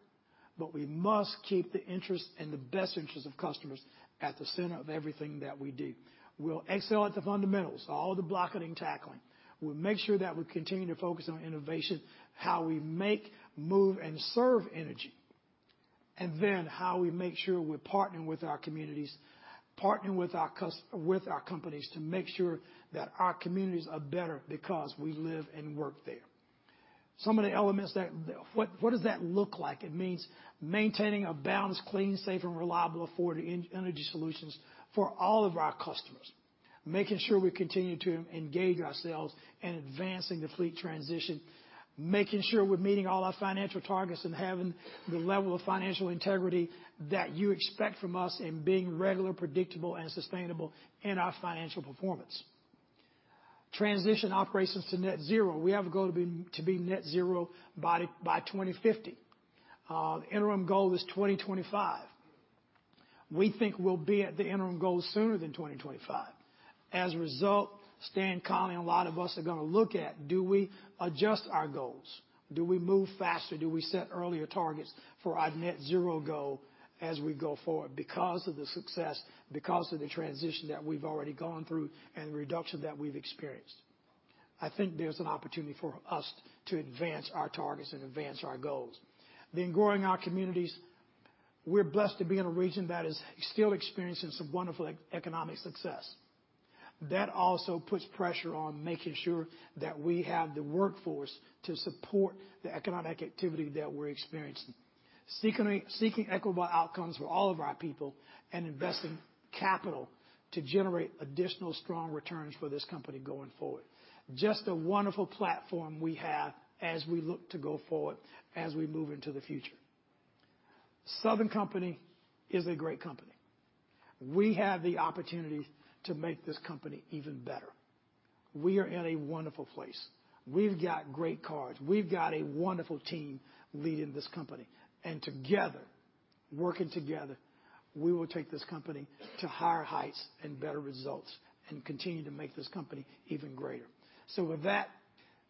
We must keep the interest and the best interest of customers at the center of everything that we do. We'll excel at the fundamentals, all the blocking and tackling. We'll make sure that we continue to focus on innovation, how we make, move, and serve energy, and then how we make sure we're partnering with our communities, partnering with our companies to make sure that our communities are better because we live and work there. What does that look like? It means maintaining a balanced, clean, safe, and reliable, affordable energy solutions for all of our customers, making sure we continue to engage ourselves in advancing the fleet transition, making sure we're meeting all our financial targets and having the level of financial integrity that you expect from us in being regular, predictable, and sustainable in our financial performance. Transition operations to net zero. We have a goal to be net zero by 2050. The interim goal is 2025. We think we'll be at the interim goal sooner than 2025. As a result, Stan, Connie, and a lot of us are gonna look at do we adjust our goals? Do we move faster? Do we set earlier targets for our net zero goal as we go forward because of the success, because of the transition that we've already gone through and the reduction that we've experienced? I think there's an opportunity for us to advance our targets and advance our goals. Growing our communities. We're blessed to be in a region that is still experiencing some wonderful economic success. That also puts pressure on making sure that we have the workforce to support the economic activity that we're experiencing. Seeking equitable outcomes for all of our people and investing capital to generate additional strong returns for this company going forward. Just a wonderful platform we have as we look to go forward, as we move into the future. Southern Company is a great company. We have the opportunity to make this company even better. We are in a wonderful place. We've got great cards. We've got a wonderful team leading this company. Together, working together, we will take this company to higher heights and better results and continue to make this company even greater. With that,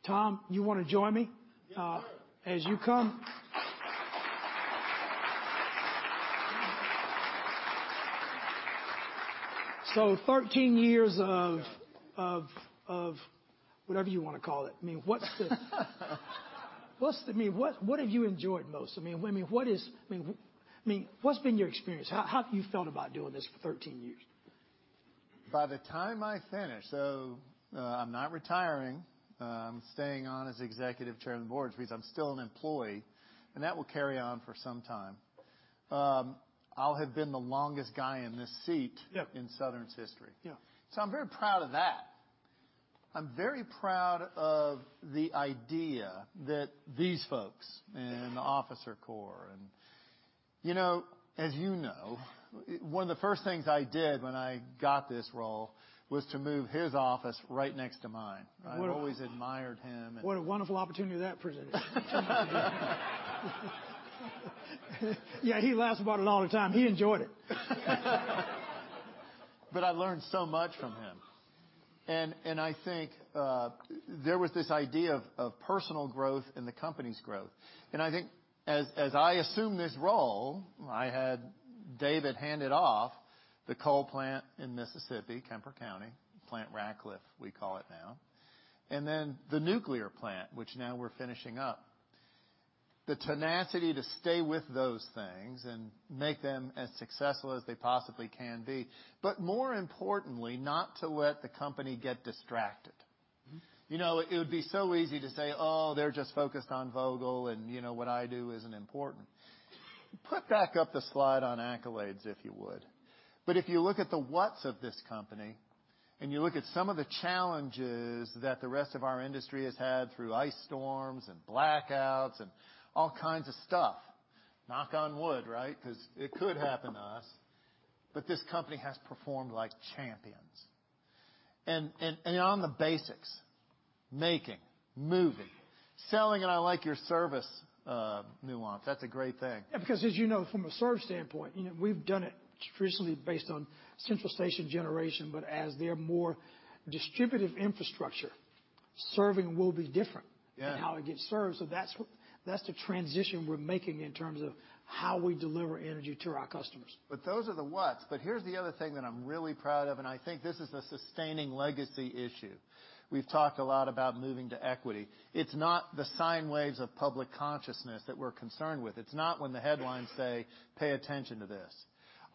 Tom, you wanna join me? Yeah, sure. as you come. 13 years of whatever you wanna call it. I mean, what have you enjoyed most? I mean, what's been your experience? How have you felt about doing this for 13 years? By the time I finish, so, I'm not retiring, staying on as Executive Chair of the Board which means I'm still an employee, That will carry on for some time. I'll have been the longest guy in this seat. Yep. in Southern's history. Yeah. I'm very proud of that. I'm very proud of the idea that these folks and the officer corps and, you know, one of the first things I did when I got this role was to move his office right next to mine. What a- I've always admired him and... What a wonderful opportunity that presented. Yeah, he laughs about it all the time. He enjoyed it. I learned so much from him. I think there was this idea of personal growth and the company's growth. I think as I assume this role, I had David hand it off, the coal plant in Mississippi, Kemper County Plant Ratcliffe, we call it now, and then the nuclear plant, which now we're finishing up. The tenacity to stay with those things and make them as successful as they possibly can be. More importantly, not to let the company get distracted. Mm-hmm. You know, it would be so easy to say, "Oh, they're just focused on Vogtle, and, you know, what I do isn't important." Put back up the slide on accolades, if you would. If you look at the what's of this company, and you look at some of the challenges that the rest of our industry has had through ice storms and blackouts and all kinds of stuff. Knock on wood, right? 'Cause it could happen to us. This company has performed like champions. On the basics: making, moving, selling, and I like your service nuance. That's a great thing. Yeah, because as you know, from a service standpoint, you know, we've done it traditionally based on central station generation, but as their more distributive infrastructure, serving will be different... Yeah. and how it gets served. That's the transition we're making in terms of how we deliver energy to our customers. Those are the what's. Here's the other thing that I'm really proud of, and I think this is a sustaining legacy issue. We've talked a lot about Moving to Equity. It's not the sine waves of public consciousness that we're concerned with. It's not when the headlines say, "Pay attention to this."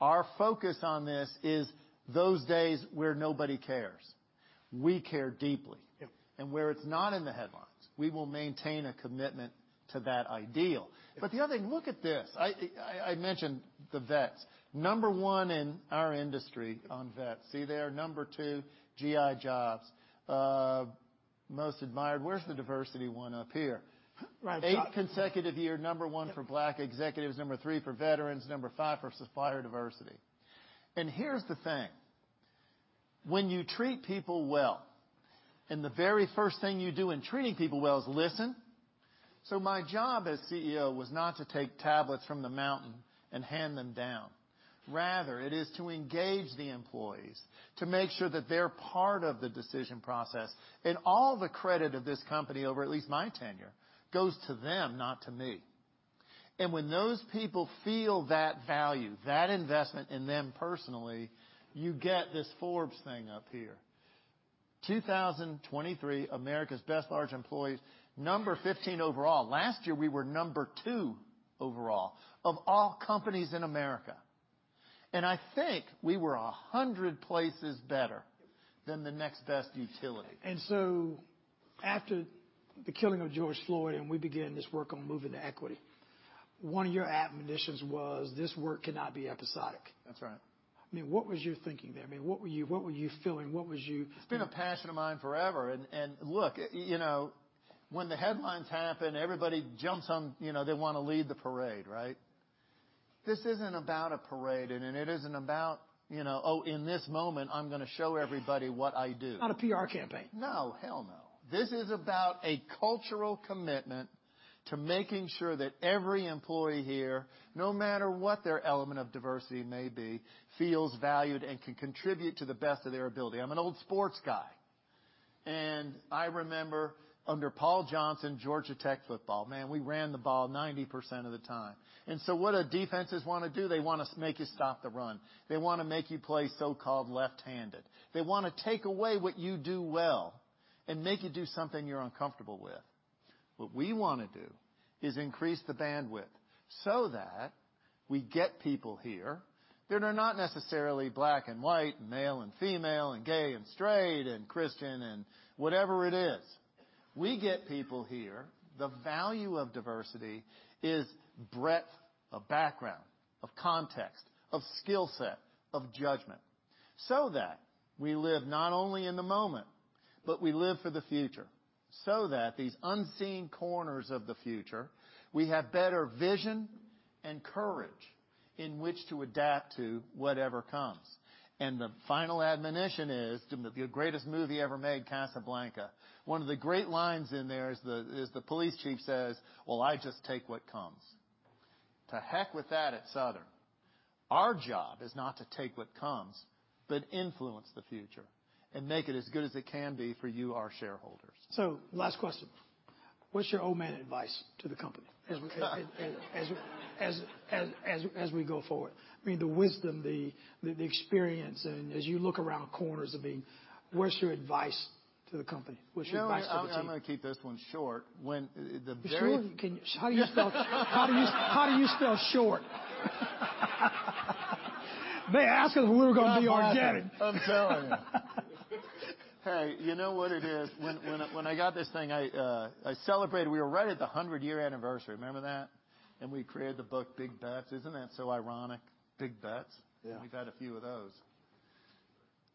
Our focus on this is those days where nobody cares. We care deeply. Yep. Where it's not in the headlines, we will maintain a commitment to that ideal. The other thing, look at this. I mentioned the vets. Number one in our industry on vets. See there, number two, GI Jobs. Most admired. Where's the diversity one up here? Right. Eight consecutive year, number one for Black executives, number three for veterans, number five for supplier diversity. Here's the thing. When you treat people well, and the very first thing you do in treating people well is listen. My job as CEO was not to take tablets from the mountain and hand them down. Rather, it is to engage the employees, to make sure that they're part of the decision process. All the credit of this company, over at least my tenure, goes to them, not to me. When those people feel that value, that investment in them personally, you get this Forbes thing up here. 2023 America's Best Large Employees, number 15 overall. Last year, we were number two overall of all companies in America. I think we were 100 places better than the next best utility. After the killing of George Floyd, and we began this work on Moving to Equity, one of your admonitions was, this work cannot be episodic. That's right. I mean, what was your thinking there? I mean, what were you feeling? It's been a passion of mine forever. Look, you know, when the headlines happen, everybody jumps on, you know, they wanna lead the parade, right? This isn't about a parade, and it isn't about, you know, oh, in this moment, I'm gonna show everybody what I do. Not a PR campaign. No, hell no. This is about a cultural commitment to making sure that every employee here, no matter what their element of diversity may be, feels valued and can contribute to the best of their ability. I'm an old sports guy, and I remember under Paul Johnson, Georgia Tech football. Man, we ran the ball 90% of the time. What do defenses wanna do? They wanna make you stop the run. They wanna make you play so-called left-handed. They wanna take away what you do well and make you do something you're uncomfortable with. What we wanna do is increase the bandwidth so that we get people here that are not necessarily Black and White, male and female, and gay and straight, and Christian and whatever it is. We get people here. The value of diversity is breadth of background, of context, of skill set, of judgment, so that we live not only in the moment, but we live for the future, so that these unseen corners of the future, we have better vision and courage in which to adapt to whatever comes. The final admonition is the greatest movie ever made, Casablanca. One of the great lines in there is the police chief says, "Well, I just take what comes." To heck with that at Southern. Our job is not to take what comes, but influence the future and make it as good as it can be for you, our shareholders. Last question. What's your old man advice to the company as we go forward? I mean, the wisdom, the experience and as you look around corners of being, what's your advice to the company? What's your advice to the team? You know what? I'm gonna keep this one short. Sure. How do you spell short? They asked us if we were going to be organic. I'm telling you. Hey, you know what it is? When I got this thing, I celebrated. We were right at the 100-year anniversary. Remember that? We created the book Big Bets. Isn't that so ironic? Big bets. Yeah. We've had a few of those.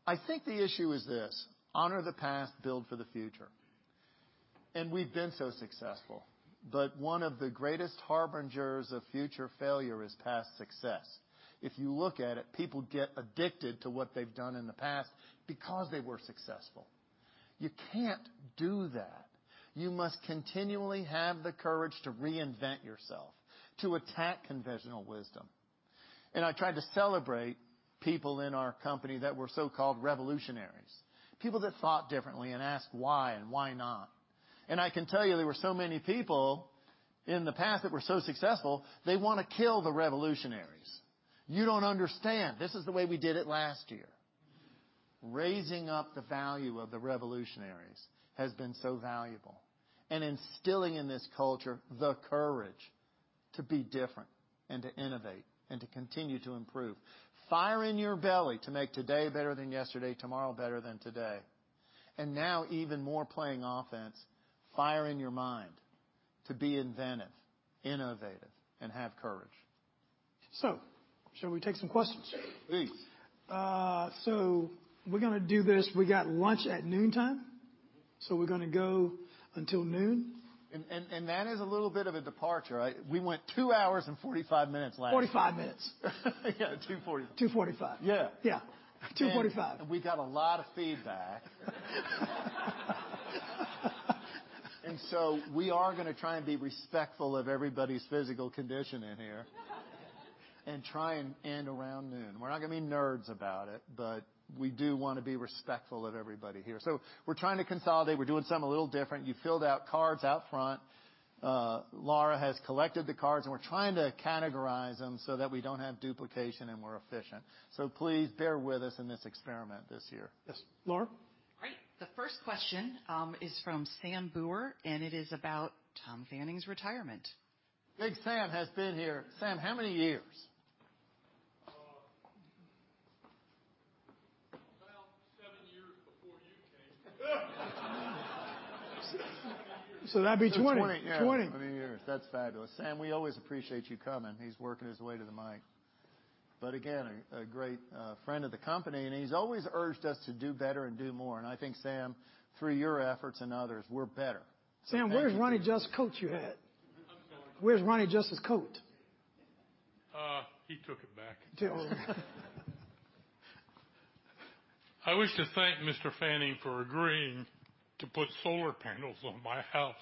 I think the issue is this, honor the past, build for the future. We've been so successful. One of the greatest harbingers of future failure is past success. If you look at it, people get addicted to what they've done in the past because they were successful. You can't do that. You must continually have the courage to reinvent yourself, to attack conventional wisdom. I tried to celebrate people in our company that were so-called revolutionaries, people that thought differently and asked why and why not. I can tell you, there were so many people in the past that were so successful, they wanna kill the revolutionaries. You don't understand. This is the way we did it last year. Raising up the value of the revolutionaries has been so valuable, and instilling in this culture the courage to be different and to innovate and to continue to improve. Fire in your belly to make today better than yesterday, tomorrow better than today. Now even more playing offense, fire in your mind to be inventive, innovative, and have courage. Shall we take some questions? Please. We're gonna do this. We got lunch at noontime, we're gonna go until noon. That is a little bit of a departure. We went two hours and 45 minutes last time. 45 minutes. Yeah. 2:40. 2:45. Yeah. Yeah. 2:45. We got a lot of feedback. We are gonna try and be respectful of everybody's physical condition in here. Try and end around noon. We're not gonna be nerds about it, but we do wanna be respectful of everybody here. We're trying to consolidate. We're doing something a little different. You filled out cards out front. Laura has collected the cards, and we're trying to categorize them so that we don't have duplication and we're efficient. Please bear with us in this experiment this year. Yes. Laura? Great. The first question is from Sam Brewer, and it is about Tom Fanning's retirement. Big Sam has been here... Sam, how many years? About seven years before you came. that'd be 20. 20. 20. How many years? That's fabulous. Sam, we always appreciate you coming. He's working his way to the mic. Again, a great friend of the company, and he's always urged us to do better and do more. I think, Sam, through your efforts and others, we're better. Sam, where's Ronny Just's coat you had? I'm sorry. Where's Ronnie Just's coat? He took it back. Oh. I wish to thank Mr. Fanning for agreeing to put solar panels on my house.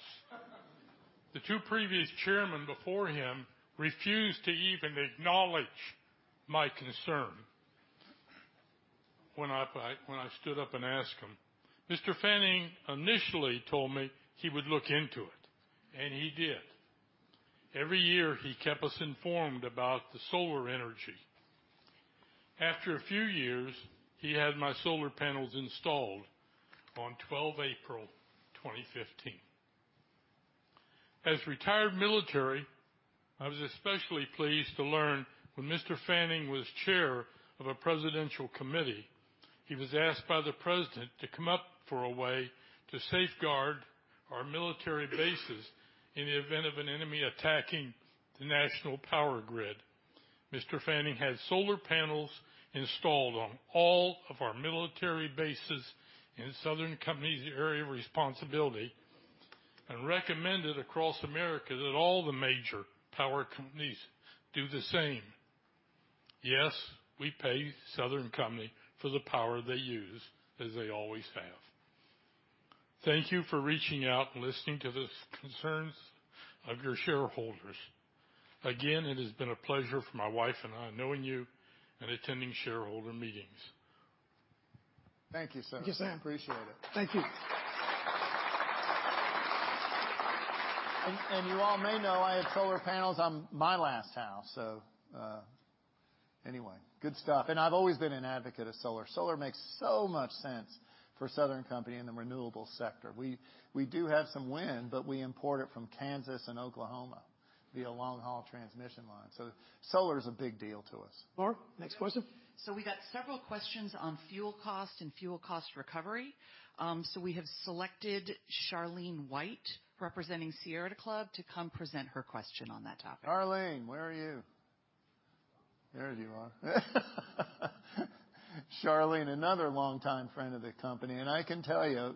The two previous chairmen before him refused to even acknowledge my concern when I stood up and asked them. Mr. Fanning initially told me he would look into it, and he did. Every year, he kept us informed about the solar energy. After a few years, he had my solar panels installed on 12 April, 2015. As retired military, I was especially pleased to learn when Mr. Fanning was chair of a presidential committee, he was asked by the president to come up for a way to safeguard our military bases in the event of an enemy attacking the national power grid. Mr. Fanning had solar panels installed on all of our military bases in Southern Company's area of responsibility and recommended across America that all the major power companies do the same. Yes, we pay Southern Company for the power they use as they always have. Thank you for reaching out and listening to the concerns of your shareholders. Again, it has been a pleasure for my wife and I knowing you and attending shareholder meetings. Thank you, sir. Thank you, Sam. Appreciate it. Thank you. You all may know I have solar panels on my last house. Anyway, good stuff. I've always been an advocate of solar. Solar makes so much sense for Southern Company in the renewable sector. We do have some wind, but we import it from Kansas and Oklahoma via long-haul transmission lines. Solar is a big deal to us. Laura, next question. We got several questions on fuel cost and fuel cost recovery. We have selected Charlene White, representing Sierra Club to come present her question on that topic. Charlene, where are you? There you are. Charlene, another longtime friend of the company. I can tell you,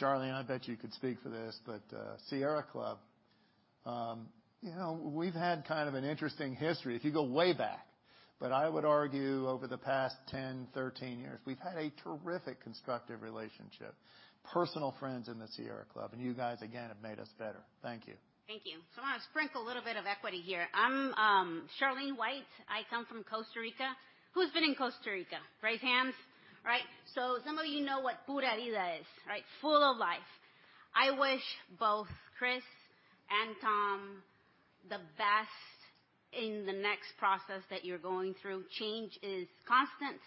Charlene, I bet you could speak for this, but Sierra Club, you know, we've had kind of an interesting history if you go way back. I would argue over the past 10, 13 years, we've had a terrific constructive relationship. Personal friends in the Sierra Club, and you guys, again, have made us better. Thank you. Thank you. I'm gonna sprinkle a little bit of equity here. I'm Charlene White. I come from Costa Rica. Who's been in Costa Rica? Raise hands. All right. Some of you know what pura vida is, right? Full of life. I wish both Chris and Tom the best in the next process that you're going through. Change is constant.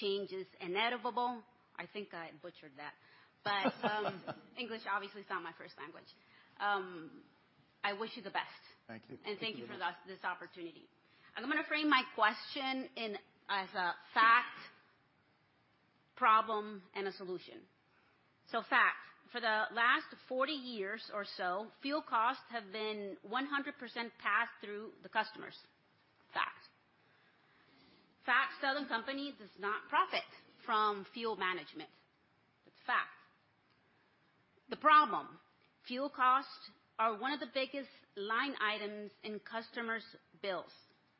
Change is inevitable. I think I butchered that. English obviously is not my first language. I wish you the best. Thank you. Thank you for this opportunity. I'm gonna frame my question in as a fact, problem, and a solution. Fact, for the last 40 years or so, fuel costs have been 100% passed through the customers. Fact. Southern Company does not profit from fuel management. That's fact. The problem, fuel costs are one of the biggest line items in customers' bills,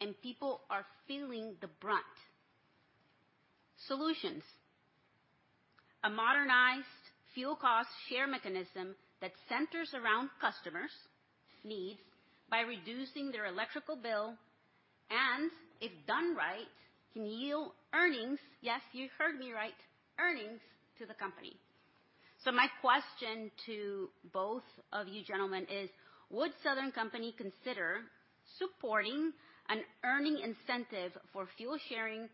and people are feeling the brunt. Solutions, a modernized fuel cost share mechanism that centers around customers' needs by reducing their electrical bill, and if done right, can yield earnings, yes, you heard me right, earnings to the company. My question to both of you gentlemen is: Would Southern Company consider supporting an earning incentive for fuel sharing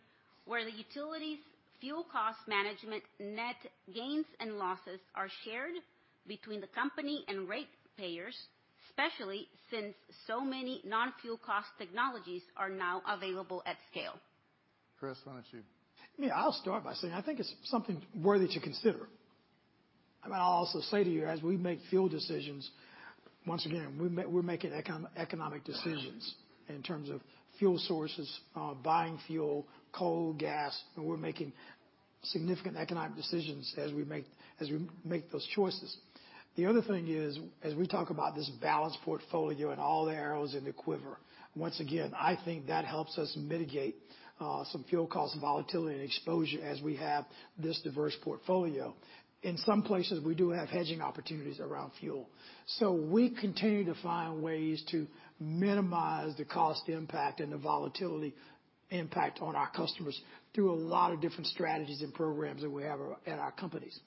where the utilities fuel cost management net gains and losses are shared between the company and ratepayers, especially since so many non-fuel cost technologies are now available at scale? Chris, why don't you? Yeah, I'll start by saying I think it's something worthy to consider. I mean, I'll also say to you, as we make fuel decisions, once again, we're making economic decisions in terms of fuel sources, buying fuel, coal, gas, and we're making significant economic decisions as we make those choices. The other thing is, as we talk about this balanced portfolio and all the arrows in the quiver, once again, I think that helps us mitigate some fuel cost volatility and exposure as we have this diverse portfolio. In some places, we do have hedging opportunities around fuel. We continue to find ways to minimize the cost impact and the volatility impact on our customers through a lot of different strategies and programs that we have at our companies.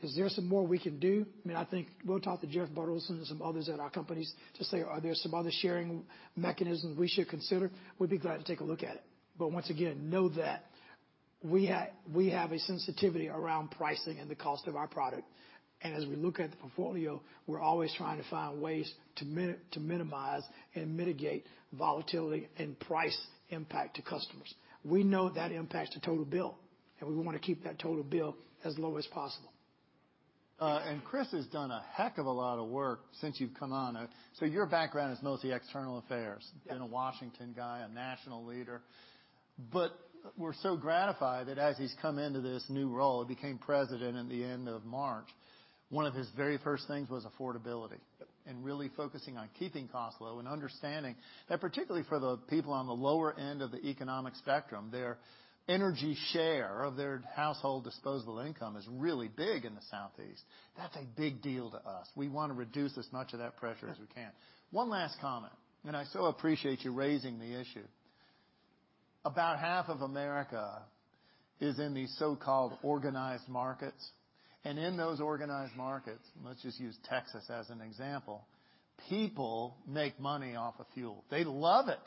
Is there some more we can do? I mean, I think we'll talk to Jeff Burleson and some others at our companies to say, are there some other sharing mechanisms we should consider? We'd be glad to take a look at it. Once again, know that we have a sensitivity around pricing and the cost of our product. As we look at the portfolio, we're always trying to find ways to minimize and mitigate volatility and price impact to customers. We know that impacts the total bill, we wanna keep that total bill as low as possible. Chris has done a heck of a lot of work since you've come on. Your background is mostly external affairs. Yeah. A Washington guy, a national leader. We're so gratified that as he's come into this new role, became president in the end of March, one of his very first things was affordability. Yep. Really focusing on keeping costs low and understanding that particularly for the people on the lower end of the economic spectrum, their energy share of their household disposable income is really big in the Southeast. That's a big deal to us. We wanna reduce as much of that pressure as we can. One last comment, and I so appreciate you raising the issue. About half of America is in these so-called organized markets. In those organized markets, let's just use Texas as an example, people make money off of fuel. They love it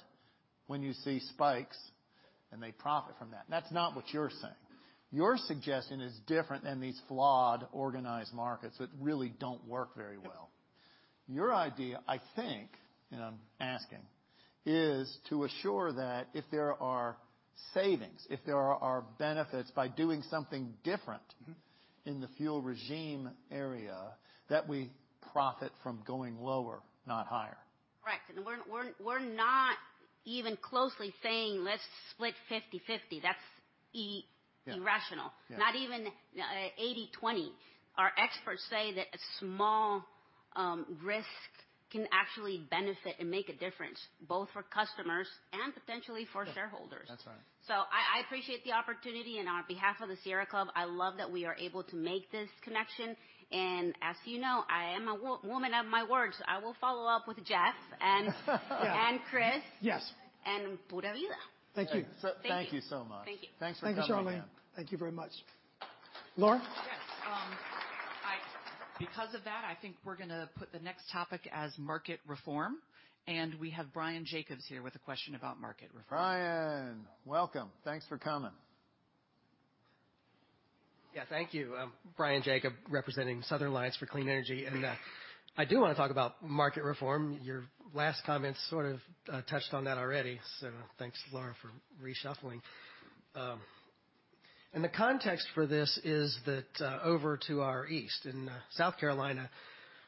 when you see spikes, and they profit from that. That's not what you're saying. Your suggestion is different than these flawed organized markets that really don't work very well. Your idea, I think, and I'm asking, is to assure that if there are savings, if there are benefits by doing something different- Mm-hmm. in the fuel regime area, that we profit from going lower, not higher. Correct. We're not even closely saying, "Let's split 50/50." That's irrational. Yeah. Not even 80/20. Our experts say that a small risk can actually benefit and make a difference, both for customers and potentially for shareholders. That's right. I appreciate the opportunity, and on behalf of the Sierra Club, I love that we are able to make this connection. As you know, I am a woman of my word, so I will follow up with Jeff and Chris. Yes. Pura vida. Thank you. Thank you so much. Thank you. Thanks for coming in. Thank you, Charlene. Thank you very much. Laura? Yes. Because of that, I think we're gonna put the next topic as market reform. We have Bryan Jacob here with a question about market reform. Bryan, welcome. Thanks for coming. Yeah, thank you. I'm Bryan Jacob, representing Southern Alliance for Clean Energy, and I do wanna talk about market reform. Your last comments sort of touched on that already, so thanks, Laura, for reshuffling. The context for this is that over to our east in South Carolina,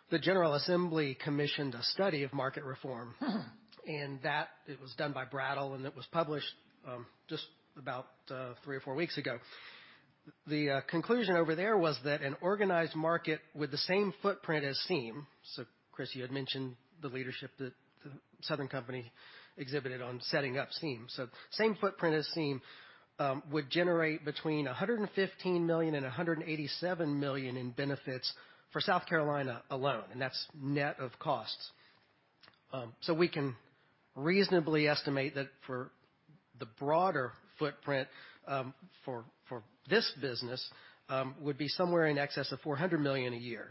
the General Assembly commissioned a study of market reform. Mm-hmm. That it was done by Brattle, and it was published, just about three or four weeks ago. The conclusion over there was that an organized market with the same footprint as SEEM, so Chris, you had mentioned the leadership that The Southern Company exhibited on setting up SEEM. Same footprint as SEEM would generate between $115 million and $187 million in benefits for South Carolina alone, and that's net of costs. We can reasonably estimate that for the broader footprint, for this business, would be somewhere in excess of $400 million a year,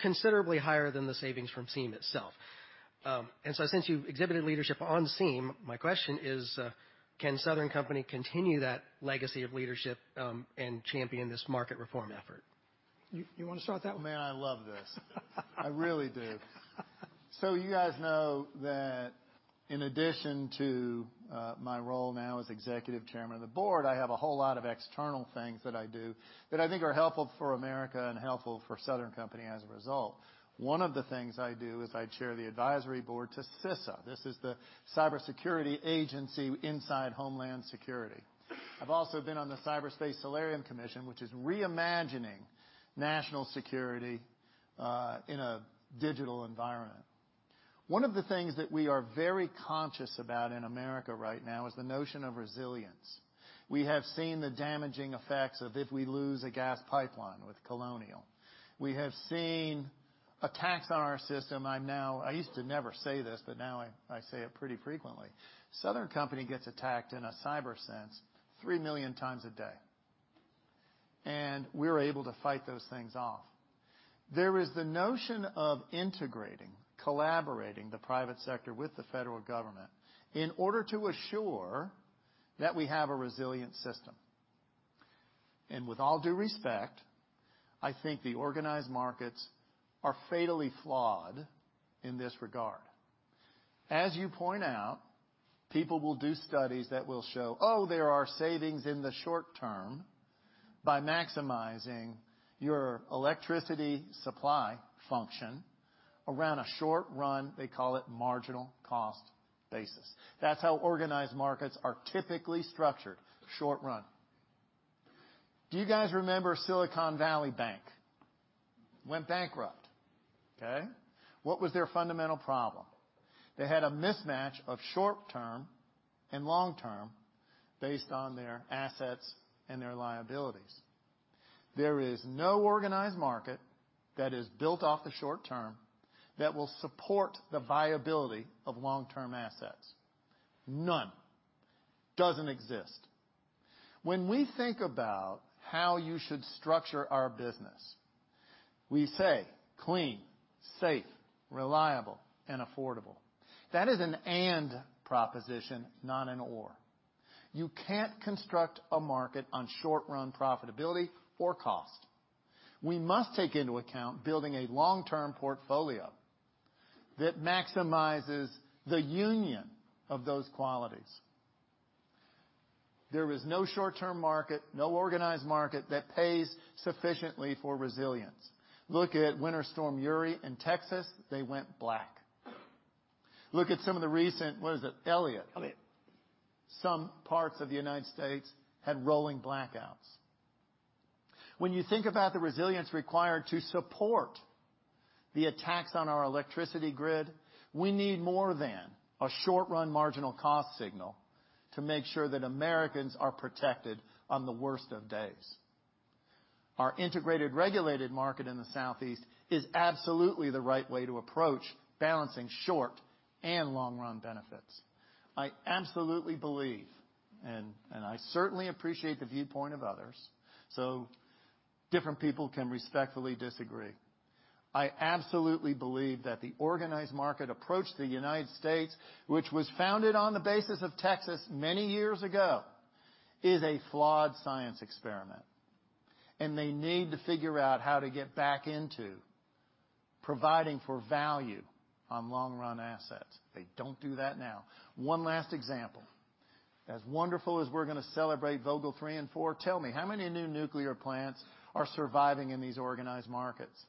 considerably higher than the savings from SEEM itself. Since you've exhibited leadership on SEEM, my question is, can The Southern Company continue that legacy of leadership, and champion this market reform effort? You wanna start that one? Man, I love this. I really do. You guys know that in addition to my role now as Executive Chairman of the Board, I have a whole lot of external things that I do that I think are helpful for America and helpful for Southern Company as a result. One of the things I do is I chair the advisory board to CISA. This is the cybersecurity agency inside Homeland Security. I've also been on the Cyberspace Solarium Commission, which is reimagining national security in a digital environment. One of the things that we are very conscious about in America right now is the notion of resilience. We have seen the damaging effects of if we lose a gas pipeline with Colonial. We have seen attacks on our system. I used to never say this, but now I say it pretty frequently. Southern Company gets attacked in a cyber sense 3 million times a day, we're able to fight those things off. There is the notion of integrating, collaborating the private sector with the federal government in order to assure that we have a resilient system. With all due respect, I think the organized markets are fatally flawed in this regard. As you point out, people will do studies that will show, oh, there are savings in the short term by maximizing your electricity supply function around a short run, they call it marginal cost basis. That's how organized markets are typically structured, short run. Do you guys remember Silicon Valley Bank went bankrupt, okay? What was their fundamental problem? They had a mismatch of short term and long term based on their assets and their liabilities. There is no organized market that is built off the short term that will support the viability of long-term assets. None. Doesn't exist. When we think about how you should structure our business, we say clean, safe, reliable, and affordable. That is an and proposition, not an or. You can't construct a market on short run profitability or cost. We must take into account building a long-term portfolio that maximizes the union of those qualities. There is no short-term market, no organized market that pays sufficiently for resilience. Look at Winter Storm Uri in Texas, they went black. Look at some of the recent, what is it, Elliott? Elliott. Some parts of the U.S. had rolling blackouts. When you think about the resilience required to support the attacks on our electricity grid, we need more than a short-run marginal cost signal to make sure that Americans are protected on the worst of days. Our integrated regulated market in the Southeast is absolutely the right way to approach balancing short and long run benefits. I absolutely believe, and I certainly appreciate the viewpoint of others. Different people can respectfully disagree. I absolutely believe that the organized market approach to the U.S., which was founded on the basis of Texas many years ago, is a flawed science experiment. They need to figure out how to get back into providing for value on long-run assets. They don't do that now. One last example. As wonderful as we're gonna celebrate Vogtle 3 and 4, tell me, how many new nuclear plants are surviving in these organized markets?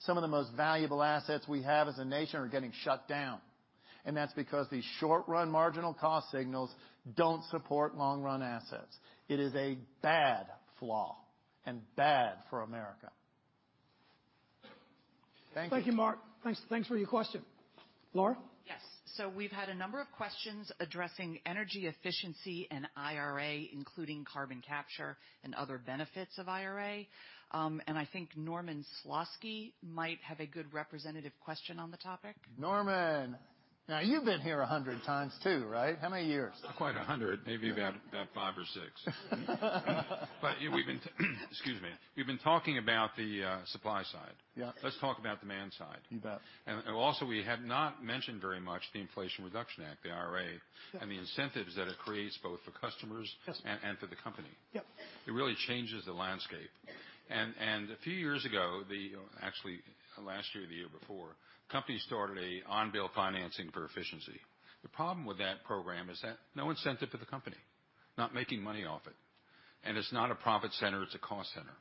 Some of the most valuable assets we have as a nation are getting shut down. That's because these short-run marginal cost signals don't support long-run assets. It is a bad flaw and bad for America. Thank you. Thank you, Bryan. Thanks for your question. Laura? Yes. We've had a number of questions addressing energy efficiency and IRA, including carbon capture and other benefits of IRA. I think Norman Slosky might have a good representative question on the topic. Norman. You've been here 100 times too, right? How many years? Not quite 100. Maybe about five or six. We've been... Excuse me. We've been talking about the supply side. Yeah. Let's talk about demand side. You bet. Also, we have not mentioned very much the Inflation Reduction Act, the IRA. Yeah. The incentives that it creates both for customers Customers. for the company. Yep. It really changes the landscape. A few years ago, actually last year or the year before, companies started a on-bill financing for efficiency. The problem with that program is that no incentive for the company, not making money off it, and it's not a profit center, it's a cost center.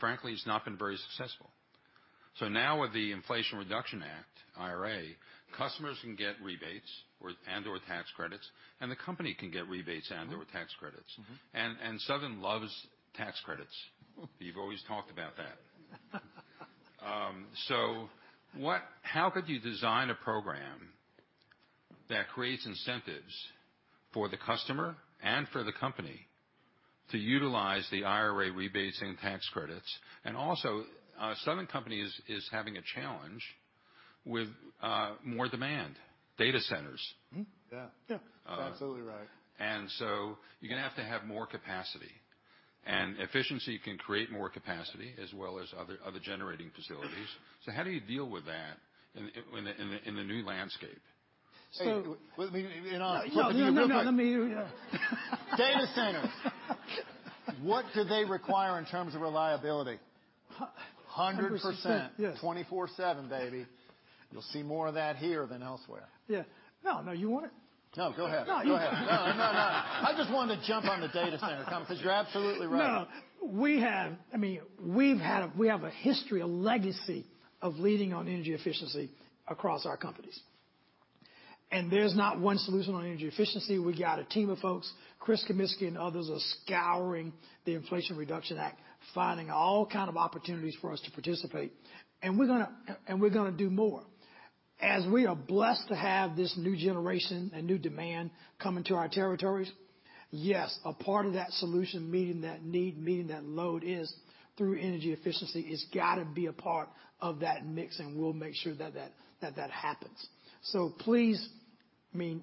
Frankly, it's not been very successful. Now with the Inflation Reduction Act, IRA, customers can get rebates or, and/or tax credits, and the company can get rebates and/or tax credits. Mm-hmm. Southern loves tax credits. You've always talked about that. How could you design a program that creates incentives for the customer and for the company to utilize the IRA rebates and tax credits? Also, Southern Company is having a challenge with more demand data centers. Mm-hmm. Yeah. Yeah. That's absolutely right. You're gonna have to have more capacity, and efficiency can create more capacity as well as other generating facilities. How do you deal with that in the new landscape? Hey, let me. No, no. Let me. Data centers, what do they require in terms of reliability? 100%. Yes. 24/7, baby. You'll see more of that here than elsewhere. Yeah. No, no, you want it? No, go ahead. No, you. No, no. I just wanted to jump on the data center comment because you're absolutely right. No, no. I mean, we have a history, a legacy of leading on energy efficiency across our companies, and there's not one solution on energy efficiency. We got a team of folks, Chris Kaminski and others, are scouring the Inflation Reduction Act, finding all kind of opportunities for us to participate. We're gonna do more. As we are blessed to have this new generation and new demand come into our territories, yes, a part of that solution, meeting that need, meeting that load is through energy efficiency. It's got to be a part of that mix, and we'll make sure that happens. Please, I mean,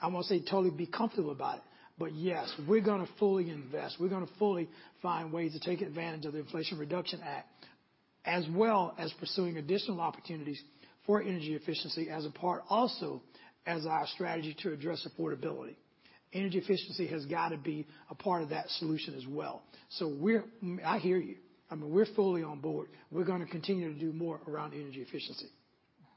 I won't say totally be comfortable about it, but yes, we're gonna fully invest. We're gonna fully find ways to take advantage of the Inflation Reduction Act, as well as pursuing additional opportunities for energy efficiency as a part also as our strategy to address affordability. Energy efficiency has got to be a part of that solution as well. I hear you. I mean, we're fully on board. We're gonna continue to do more around energy efficiency.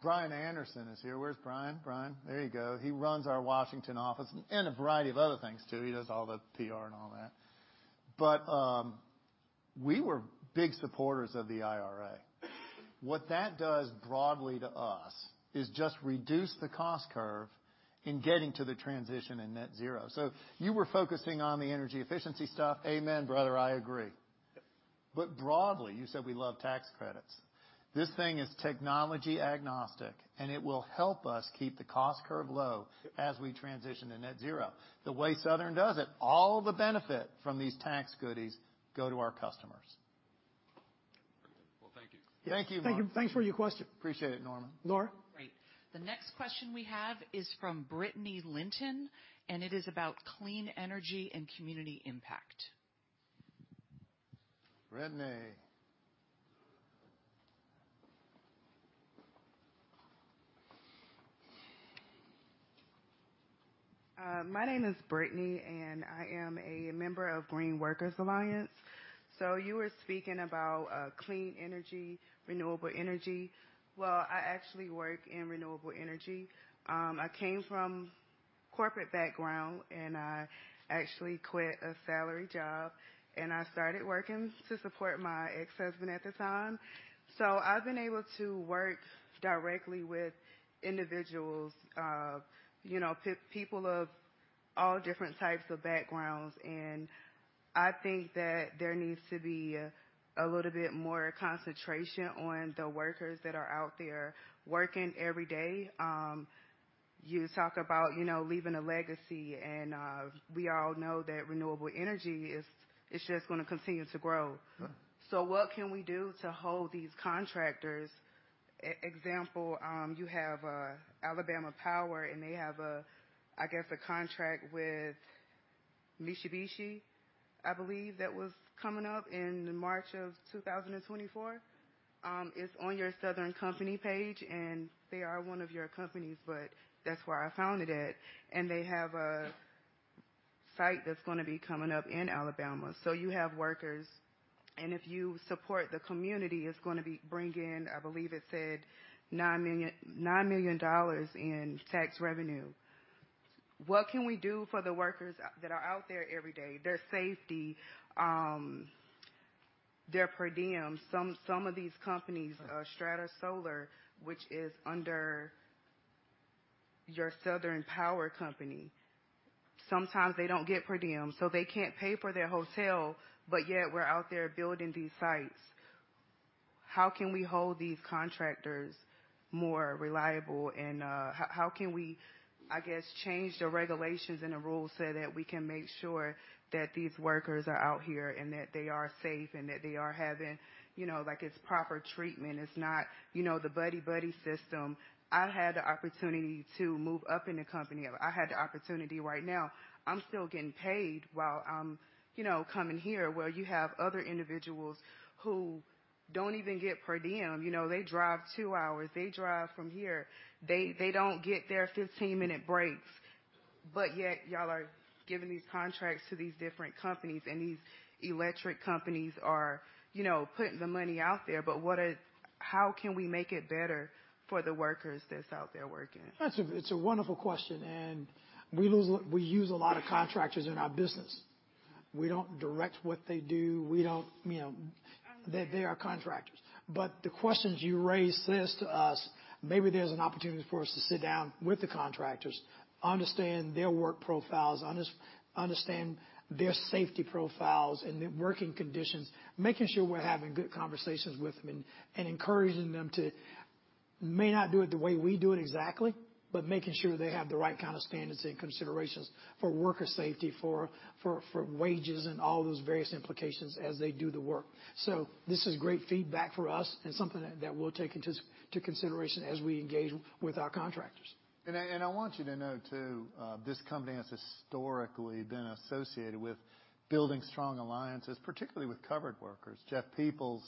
Bryan Anderson is here. Where's Bryan? Bryan, there you go. He runs our Washington office and a variety of other things, too. He does all the PR and all that. We were big supporters of the IRA. What that does broadly to us is just reduce the cost curve in getting to the transition in net zero. You were focusing on the energy efficiency stuff. Amen, brother, I agree. Yep. Broadly, you said we love tax credits. This thing is technology agnostic, and it will help us keep the cost curve low-. Yep. as we transition to net zero. The way Southern does it, all the benefit from these tax goodies go to our customers. Well, thank you. Thank you, Mark. Thank you. Thanks for your question. Appreciate it, Norman. Laura. Great. The next question we have is from Brittney Linton. It is about clean energy and community impact. Brittney. My name is Brittney, and I am a member of Green Workers Alliance. You were speaking about clean energy, renewable energy. Well, I actually work in renewable energy. I came from corporate background, and I actually quit a salary job, and I started working to support my ex-husband at the time. I've been able to work directly with individuals, you know, people of all different types of backgrounds, and I think that there needs to be a little bit more concentration on the workers that are out there working every day. You talk about, you know, leaving a legacy, and we all know that renewable energy is just gonna continue to grow. Mm-hmm. What can we do to hold these contractors? Example, you have Alabama Power, and they have a, I guess, a contract with Mitsubishi Power, I believe that was coming up in March 2024. It's on your Southern Company page, and they are one of your companies, but that's where I found it at. They have a site that's gonna be coming up in Alabama. You have workers, and if you support the community, it's gonna be bring in, I believe it said $9 million in tax revenue. What can we do for the workers that are out there every day, their safety, their per diem? Some of these companies, Strata Solar, which is under your Southern Power, sometimes they don't get per diem, they can't pay for their hotel, yet we're out there building these sites. How can we hold these contractors more reliable? How can we, I guess, change the regulations and the rules so that we can make sure that these workers are out here and that they are safe and that they are having, you know, like, it's proper treatment. It's not, you know, the buddy buddy system. I had the opportunity to move up in the company. I had the opportunity right now. I'm still getting paid while I'm, you know, coming here, where you have other individuals who don't even get per diem. You know, they drive two hours. They drive from here. They don't get their 15-minute breaks. Yet y'all are giving these contracts to these different companies, and these electric companies are, you know, putting the money out there. How can we make it better for the workers that's out there working? It's a wonderful question, and we use a lot of contractors in our business. We don't direct what they do. We don't, you know. They are contractors. The questions you raise says to us, maybe there's an opportunity for us to sit down with the contractors, understand their work profiles, understand their safety profiles and their working conditions, making sure we're having good conversations with them and encouraging them to may not do it the way we do it exactly, but making sure they have the right kind of standards and considerations for worker safety, for wages and all those various implications as they do the work. This is great feedback for us and something that we'll take into consideration as we engage with our contractors. I want you to know too, this company has historically been associated with building strong alliances, particularly with covered workers. Jeff Peoples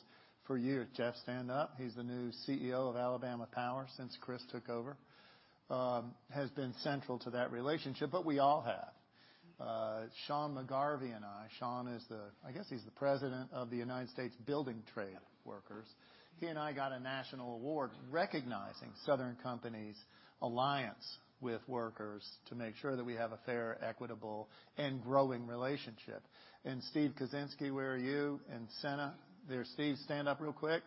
for years. Jeff, stand up. He's the new CEO of Alabama Power since Chris took over. Has been central to that relationship, we all have. Sean McGarvey and I, Sean is the President of North America's Building Trades Unions. He and I got a national award recognizing Southern Company's alliance with workers to make sure that we have a fair, equitable, and growing relationship. Steve Kuczynski, where are you? Sena. There's Steve, stand up real quick.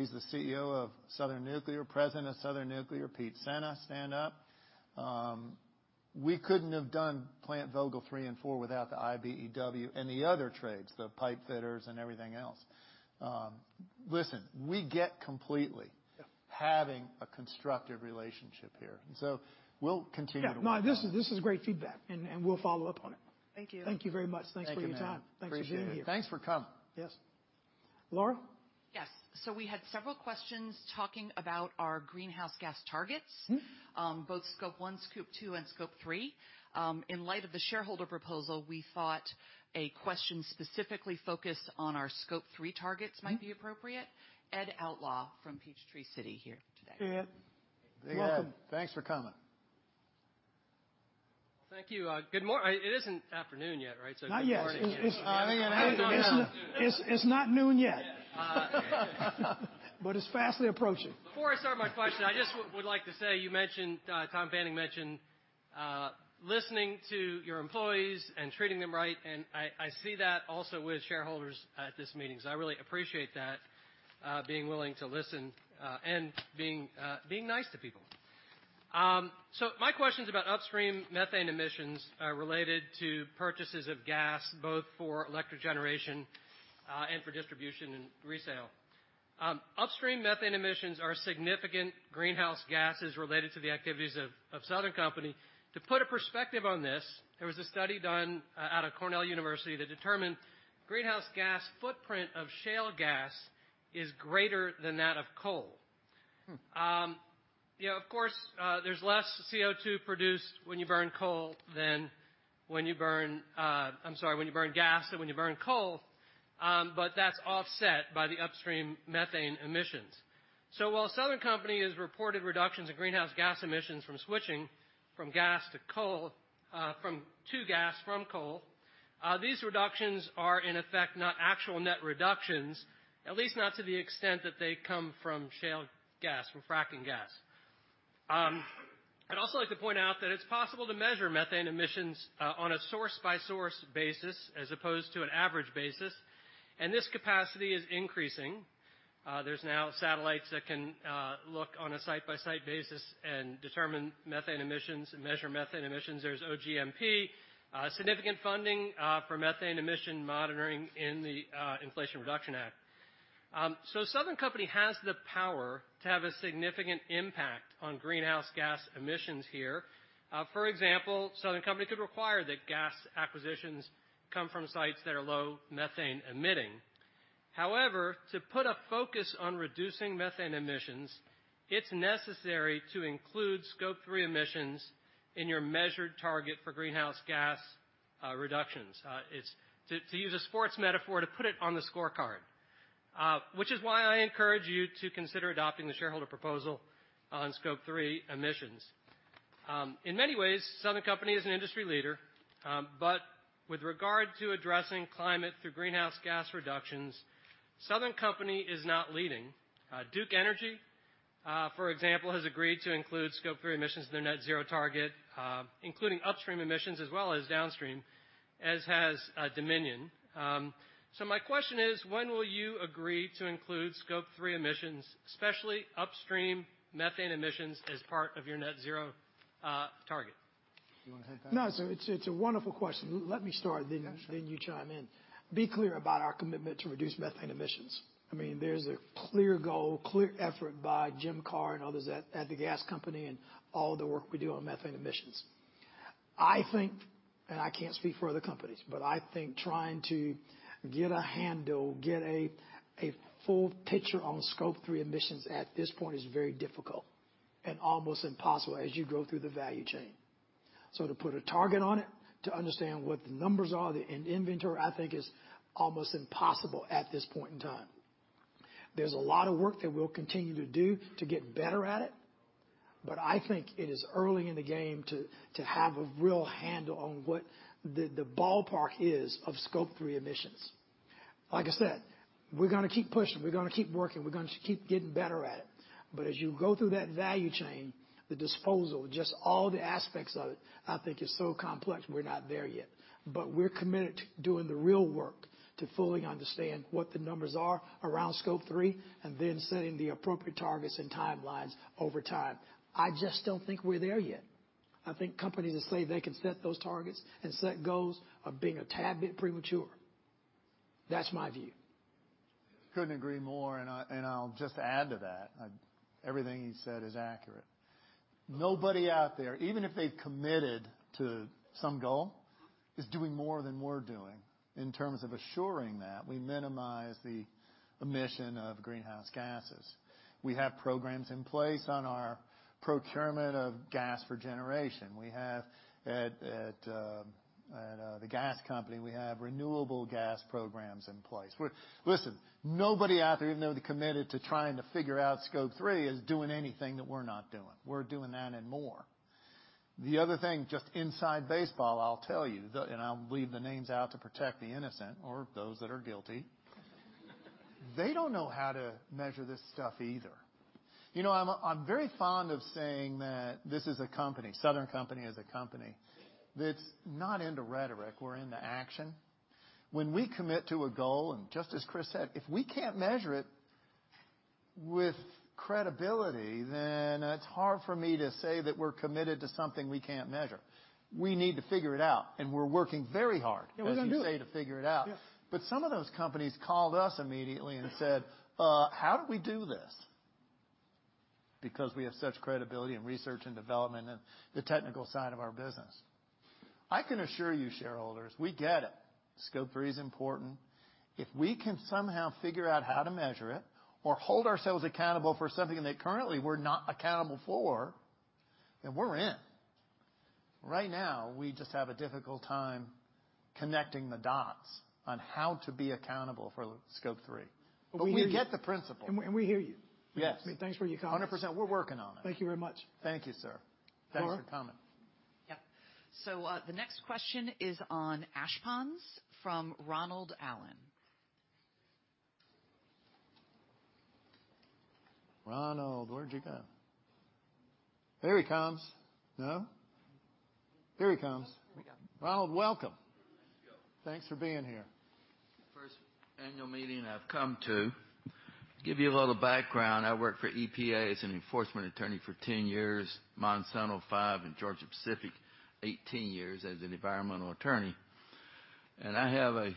He's the CEO of Southern Nuclear, President of Southern Nuclear. Pete Sena, stand up. We couldn't have done Plant Vogtle 3 and 4 without the IBEW and the other trades, the pipe fitters and everything else. Listen, we get completely having a constructive relationship here, and so we'll continue to work on that. Yeah. this is great feedback, and we'll follow up on it. Thank you. Thank you very much. Thanks for your time. Thank you, ma'am. Appreciate it. Thanks for being here. Thanks for coming. Yes. Laura? Yes. We had several questions talking about our greenhouse gas targets. Mm-hmm. Both Scope 1, Scope 2, and Scope 3. In light of the shareholder proposal, we thought a question specifically focused on our Scope 3 targets might be appropriate. Ed Outlaw from Peachtree City here today. Hey, Ed. Hey, Ed. Welcome. Thanks for coming. Thank you. It isn't afternoon yet, right? Good morning. Not yet. It's not noon yet. Yeah. It's fastly approaching. Before I start my question, I just would like to say, you mentioned, Tom Fanning mentioned, listening to your employees and treating them right, I see that also with shareholders at this meeting. I really appreciate that, being willing to listen, and being nice to people. My question's about upstream methane emissions, related to purchases of gas, both for electric generation, and for distribution and resale. Upstream methane emissions are significant greenhouse gases related to the activities of Southern Company. To put a perspective on this, there was a study done out of Cornell University that determined greenhouse gas footprint of shale gas is greater than that of coal. Hmm. You know, of course, there's less CO2 produced when you burn coal than when you burn, I'm sorry, when you burn gas than when you burn coal, but that's offset by the upstream methane emissions. While Southern Company has reported reductions in greenhouse gas emissions from switching from gas to coal, to gas from coal, these reductions are, in effect, not actual net reductions, at least not to the extent that they come from shale gas, from fracking gas. I'd also like to point out that it's possible to measure methane emissions on a source-by-source basis as opposed to an average basis, and this capacity is increasing. There's now satellites that can look on a site-by-site basis and determine methane emissions and measure methane emissions. There's OGMP, significant funding for methane emission monitoring in the Inflation Reduction Act. Southern Company has the power to have a significant impact on greenhouse gas emissions here. For example, Southern Company could require that gas acquisitions come from sites that are low methane emitting. However, to put a focus on reducing methane emissions, it's necessary to include Scope 3 emissions in your measured target for greenhouse gas reductions. To use a sports metaphor, to put it on the scorecard. Which is why I encourage you to consider adopting the shareholder proposal on Scope 3 emissions. In many ways, Southern Company is an industry leader, with regard to addressing climate through greenhouse gas reductions, Southern Company is not leading. Duke Energy, for example, has agreed to include scope three emissions in their net zero target, including upstream emissions as well as downstream, as has Dominion. My question is, when will you agree to include scope three emissions, especially upstream methane emissions, as part of your net zero target? You wanna take that? No, it's a wonderful question. Let me start, then you chime in. Be clear about our commitment to reduce methane emissions. I mean, there's a clear goal, clear effort by Jim Kerr and others at the gas Company and all the work we do on methane emissions. I think, and I can't speak for other companies, but I think trying to get a handle, a full picture on Scope 3 emissions at this point is very difficult and almost impossible as you go through the value chain. To put a target on it, to understand what the numbers are, an inventory, I think is almost impossible at this point in time. There's a lot of work that we'll continue to do to get better at it, but I think it is early in the game to have a real handle on what the ballpark is of Scope 3 emissions. Like I said, we're gonna keep pushing. We're gonna keep working. We're gonna keep getting better at it. As you go through that value chain, the disposal, just all the aspects of it, I think is so complex, we're not there yet. We're committed to doing the real work to fully understand what the numbers are around Scope 3 and then setting the appropriate targets and timelines over time. I just don't think we're there yet. I think companies that say they can set those targets and set goals are being a tad bit premature. That's my view. Couldn't agree more. I'll just add to that. Everything he said is accurate. Nobody out there, even if they've committed to some goal, is doing more than we're doing in terms of assuring that we minimize the emission of greenhouse gases. We have programs in place on our procurement of gas for generation. We have at the gas company, we have renewable gas programs in place. Listen, nobody out there, even though they're committed to trying to figure out Scope 3, is doing anything that we're not doing. We're doing that and more. The other thing, just inside baseball, I'll tell you, and I'll leave the names out to protect the innocent or those that are guilty. They don't know how to measure this stuff either. You know, I'm very fond of saying that this is a company, Southern Company is a company that's not into rhetoric. We're into action. When we commit to a goal, and just as Chris said, if we can't measure it with credibility, then it's hard for me to say that we're committed to something we can't measure. We need to figure it out, and we're working very hard. Yeah, we're gonna do it. as you say, to figure it out. Yeah. Some of those companies called us immediately and said, "How do we do this?" Because we have such credibility in research and development and the technical side of our business. I can assure you, shareholders, we get it. Scope 3 is important. If we can somehow figure out how to measure it or hold ourselves accountable for something that currently we're not accountable for, then we're in. Right now, we just have a difficult time connecting the dots on how to be accountable for Scope 3. We hear you. We get the principle. We hear you. Yes. Thanks for your comments. 100%. We're working on it. Thank you very much. Thank you, sir. Laura. Thanks for comment. The next question is on ash ponds from Ronald Allen. Ronald, where'd you go? Here he comes. No? Here he comes. Here we go. Ronald, welcome. Thank you. Thanks for being here. First annual meeting I've come to. Give you a little background, I worked for EPA as an enforcement attorney for 10 years, Monsanto 5, and Georgia-Pacific 18 years as an environmental attorney. I have a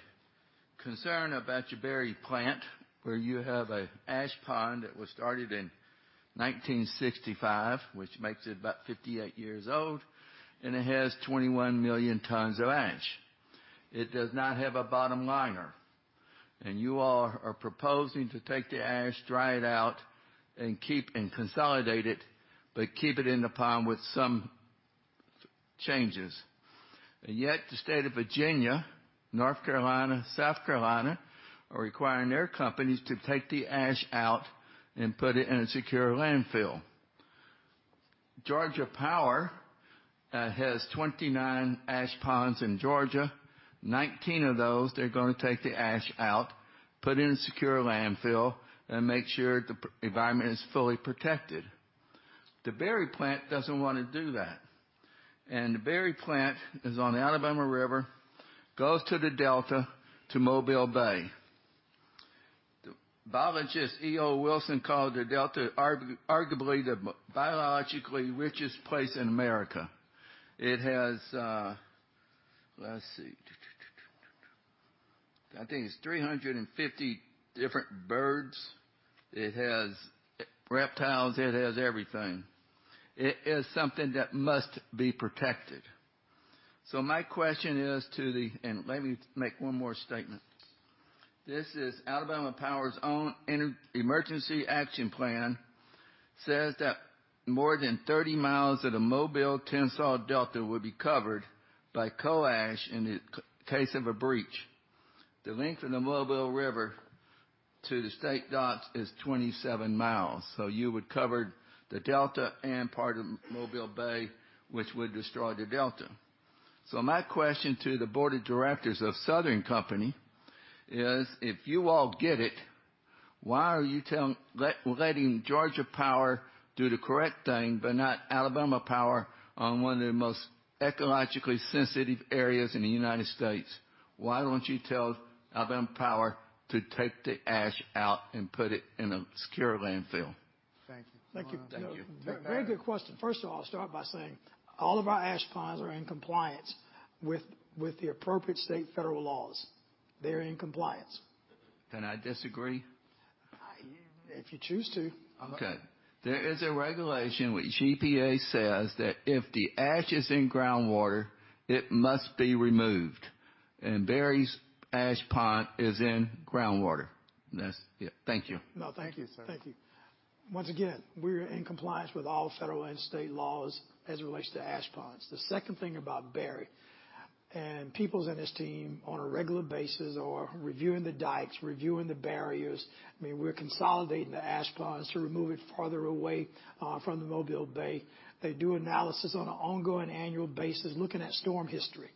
concern about your Barry Plant, where you have a ash pond that was started in 1965, which makes it about 58 years old, and it has 21 million tons of ash. It does not have a bottom liner. You all are proposing to take the ash, dry it out, and consolidate it, but keep it in the pond with some changes. Yet the state of Virginia, North Carolina, South Carolina are requiring their companies to take the ash out and put it in a secure landfill. Georgia Power has 29 ash ponds in Georgia. 19 of those, they're gonna take the ash out, put it in a secure landfill, make sure the environment is fully protected. The Barry plant doesn't wanna do that. The Barry plant is on the Alabama River, goes to the Delta to Mobile Bay. The biologist E.O. Wilson called the Delta arguably the biologically richest place in America. It has, let's see. I think it's 350 different birds. It has reptiles. It has everything. It is something that must be protected. My question is to the... Let me make one more statement. This is Alabama Power's own emergency action plan says that more than 30 miles of the Mobile-Tensaw Delta would be covered by coal ash in the case of a breach. The length of the Mobile River to the state docks is 27 miles. You would cover the Delta and part of Mobile Bay, which would destroy the Delta. My question to the Board of Directors of Southern Company is, if you all get it, why are you letting Georgia Power do the correct thing, but not Alabama Power on one of the most ecologically sensitive areas in the U.S.? Why don't you tell Alabama Power to take the ash out and put it in a secure landfill? Thank you. Thank you. Thank you. Very good question. First of all, I'll start by saying all of our ash ponds are in compliance with the appropriate state federal laws. They're in compliance. I disagree. If you choose to. Okay. There is a regulation which EPA says that if the ash is in groundwater, it must be removed, and Barry's ash pond is in groundwater. That's it. Thank you. No, thank you. Thank you, sir. Thank you. Once again, we're in compliance with all federal and state laws as it relates to ash ponds. The second thing about Burleson and Peoples in this team on a regular basis are reviewing the dikes, reviewing the barriers. I mean, we're consolidating the ash ponds to remove it farther away from the Mobile Bay. They do analysis on an ongoing annual basis, looking at storm history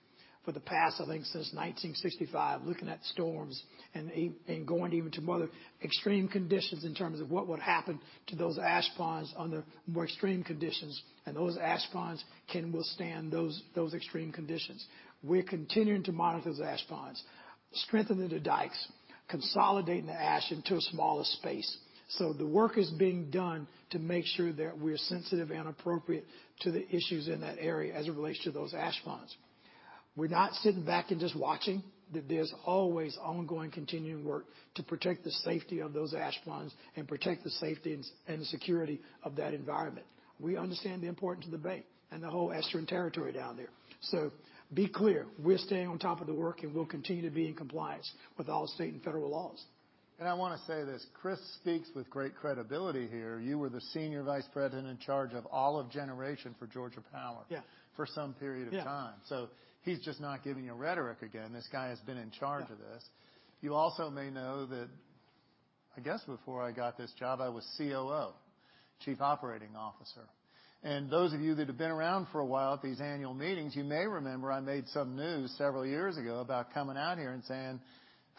for the past, I think, since 1965. Looking at storms and going even to other extreme conditions in terms of what would happen to those ash ponds under more extreme conditions, and those ash ponds can withstand those extreme conditions. We're continuing to monitor the ash ponds, strengthening the dikes, consolidating the ash into a smaller space. The work is being done to make sure that we're sensitive and appropriate to the issues in that area as it relates to those ash ponds. We're not sitting back and just watching. That there's always ongoing, continuing work to protect the safety of those ash ponds and protect the safety and security of that environment. We understand the importance of the bay and the whole estuarine territory down there. Be clear, we're staying on top of the work, and we'll continue to be in compliance with all state and federal laws. I wanna say this, Chris speaks with great credibility here. You were the senior vice president in charge of all of generation for Georgia Power. Yeah. for some period of time. Yeah. He's just not giving you rhetoric again. This guy has been in charge of this. You also may know that, I guess before I got this job, I was COO. Chief Operating Officer. Those of you that have been around for a while at these annual meetings, you may remember I made some news several years ago about coming out here and saying,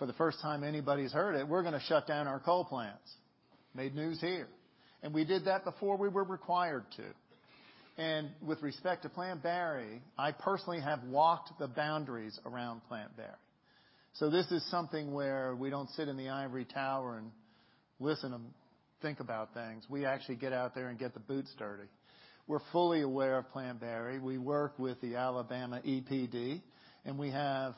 for the first time anybody's heard it, we're gonna shut down our coal plants. Made news here. We did that before we were required to. With respect to Plant Barry, I personally have walked the boundaries around Plant Barry. This is something where we don't sit in the ivory tower and listen and think about things. We actually get out there and get the boots dirty. We're fully aware of Plant Barry. We work with the Alabama EPD, and we have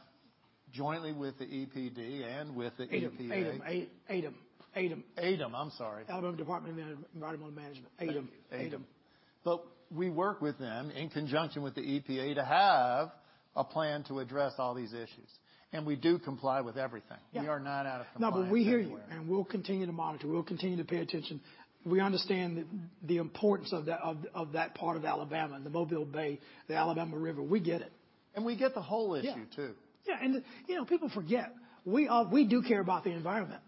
jointly with the EPD and with the EPA- ADEM, ADEM. ADEM, I'm sorry. Alabama Department of Environmental Management, ADEM. ADEM. We work with them in conjunction with the EPA to have a plan to address all these issues. We do comply with everything. Yeah. We are not out of compliance anywhere. We hear you, and we'll continue to monitor. We'll continue to pay attention. We understand the importance of that part of Alabama, the Mobile Bay, the Alabama River. We get it. We get the whole issue, too. Yeah. Yeah, you know, people forget, we do care about the environment.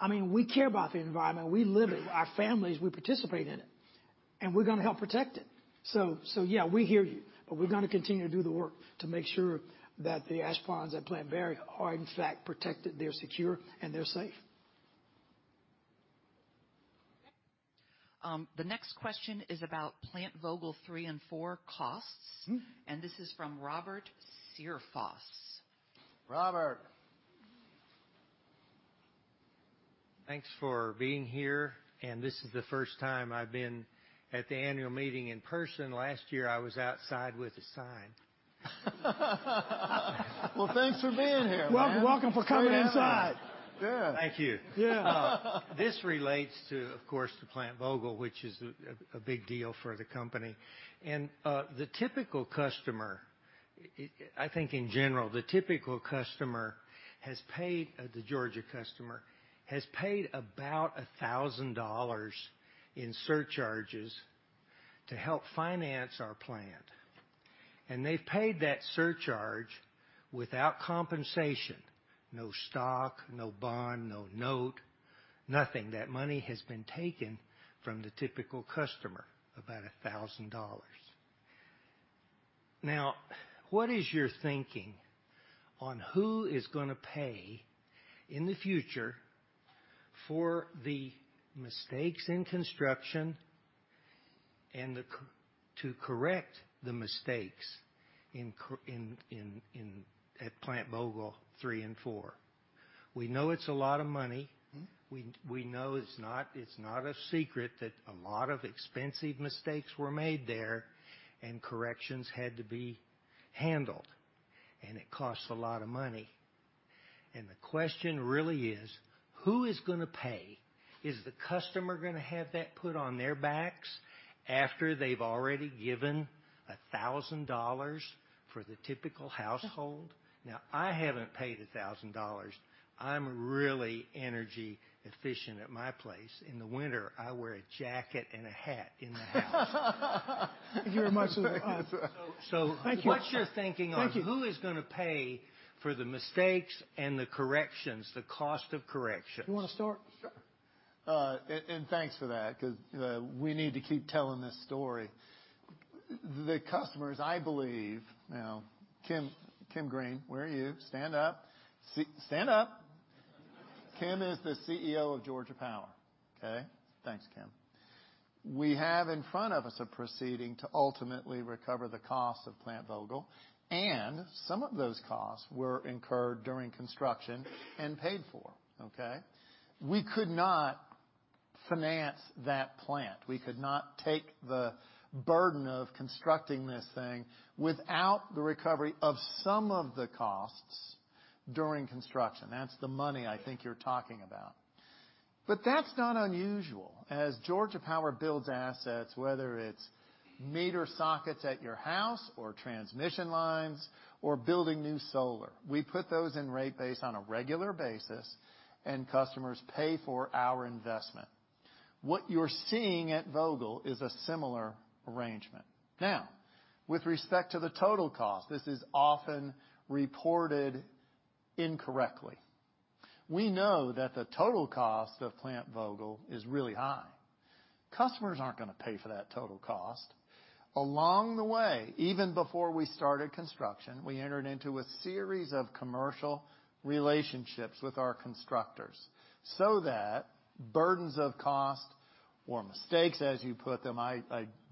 I mean, we care about the environment. We live it. Our families, we participate in it, we're gonna help protect it. Yeah, we hear you, but we're gonna continue to do the work to make sure that the ash ponds at Plant Barry are in fact protected, they're secure, and they're safe. Okay. The next question is about Plant Vogtle 3 and 4 costs. Mm. This is from Robert Searfoss. Robert. Thanks for being here, and this is the first time I've been at the annual meeting in person. Last year, I was outside with a sign. Well, thanks for being here, man. Welcome. Welcome for coming inside. Yeah. Thank you. Yeah. This relates to, of course, the Plant Vogtle, which is a big deal for the company. The typical customer, I think in general, the typical customer, the Georgia customer, has paid about $1,000 in surcharges to help finance our plant. They've paid that surcharge without compensation: no stock, no bond, no note, nothing. That money has been taken from the typical customer, about $1,000. Now, what is your thinking on who is gonna pay in the future for the mistakes in construction and to correct the mistakes in, at Plant Vogtle 3 & 4? We know it's a lot of money. Mm. We know it's not, it's not a secret that a lot of expensive mistakes were made there and corrections had to be handled, and it costs a lot of money. The question really is, who is gonna pay? Is the customer gonna have that put on their backs after they've already given $1,000 for the typical household? Now, I haven't paid $1,000. I'm really energy efficient at my place. In the winter, I wear a jacket and a hat in the house. Thank you very much, sir. What's your thinking on who is gonna pay for the mistakes and the corrections, the cost of corrections? You wanna start? Sure. Thanks for that 'cause we need to keep telling this story. The customers, I believe. Now, Kim Greene, where are you? Stand up. Stand up. Kim is the CEO of Georgia Power, okay? Thanks, Kim. We have in front of us a proceeding to ultimately recover the cost of Plant Vogtle, and some of those costs were incurred during construction and paid for, okay? We could not finance that plant. We could not take the burden of constructing this thing without the recovery of some of the costs during construction. That's the money I think you're talking about. That's not unusual. As Georgia Power builds assets, whether it's meter sockets at your house or transmission lines or building new solar, we put those in rate base on a regular basis, and customers pay for our investment. What you're seeing at Vogtle is a similar arrangement. With respect to the total cost, this is often reported incorrectly. We know that the total cost of Plant Vogtle is really high. Customers aren't gonna pay for that total cost. Along the way, even before we started construction, we entered into a series of commercial relationships with our constructors so that burdens of cost or mistakes, as you put them, I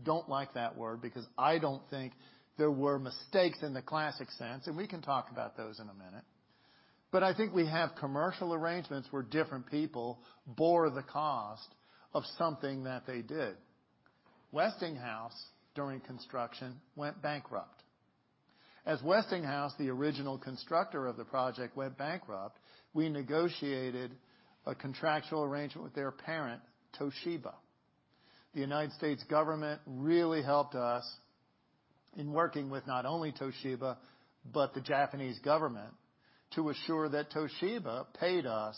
don't like that word because I don't think there were mistakes in the classic sense. We can talk about those in a minute. I think we have commercial arrangements where different people bore the cost of something that they did. Westinghouse, during construction, went bankrupt. As Westinghouse, the original constructor of the project, went bankrupt, we negotiated a contractual arrangement with their parent, Toshiba. The U.S. government really helped us in working with not only Toshiba, but the Japanese government, to assure that Toshiba paid us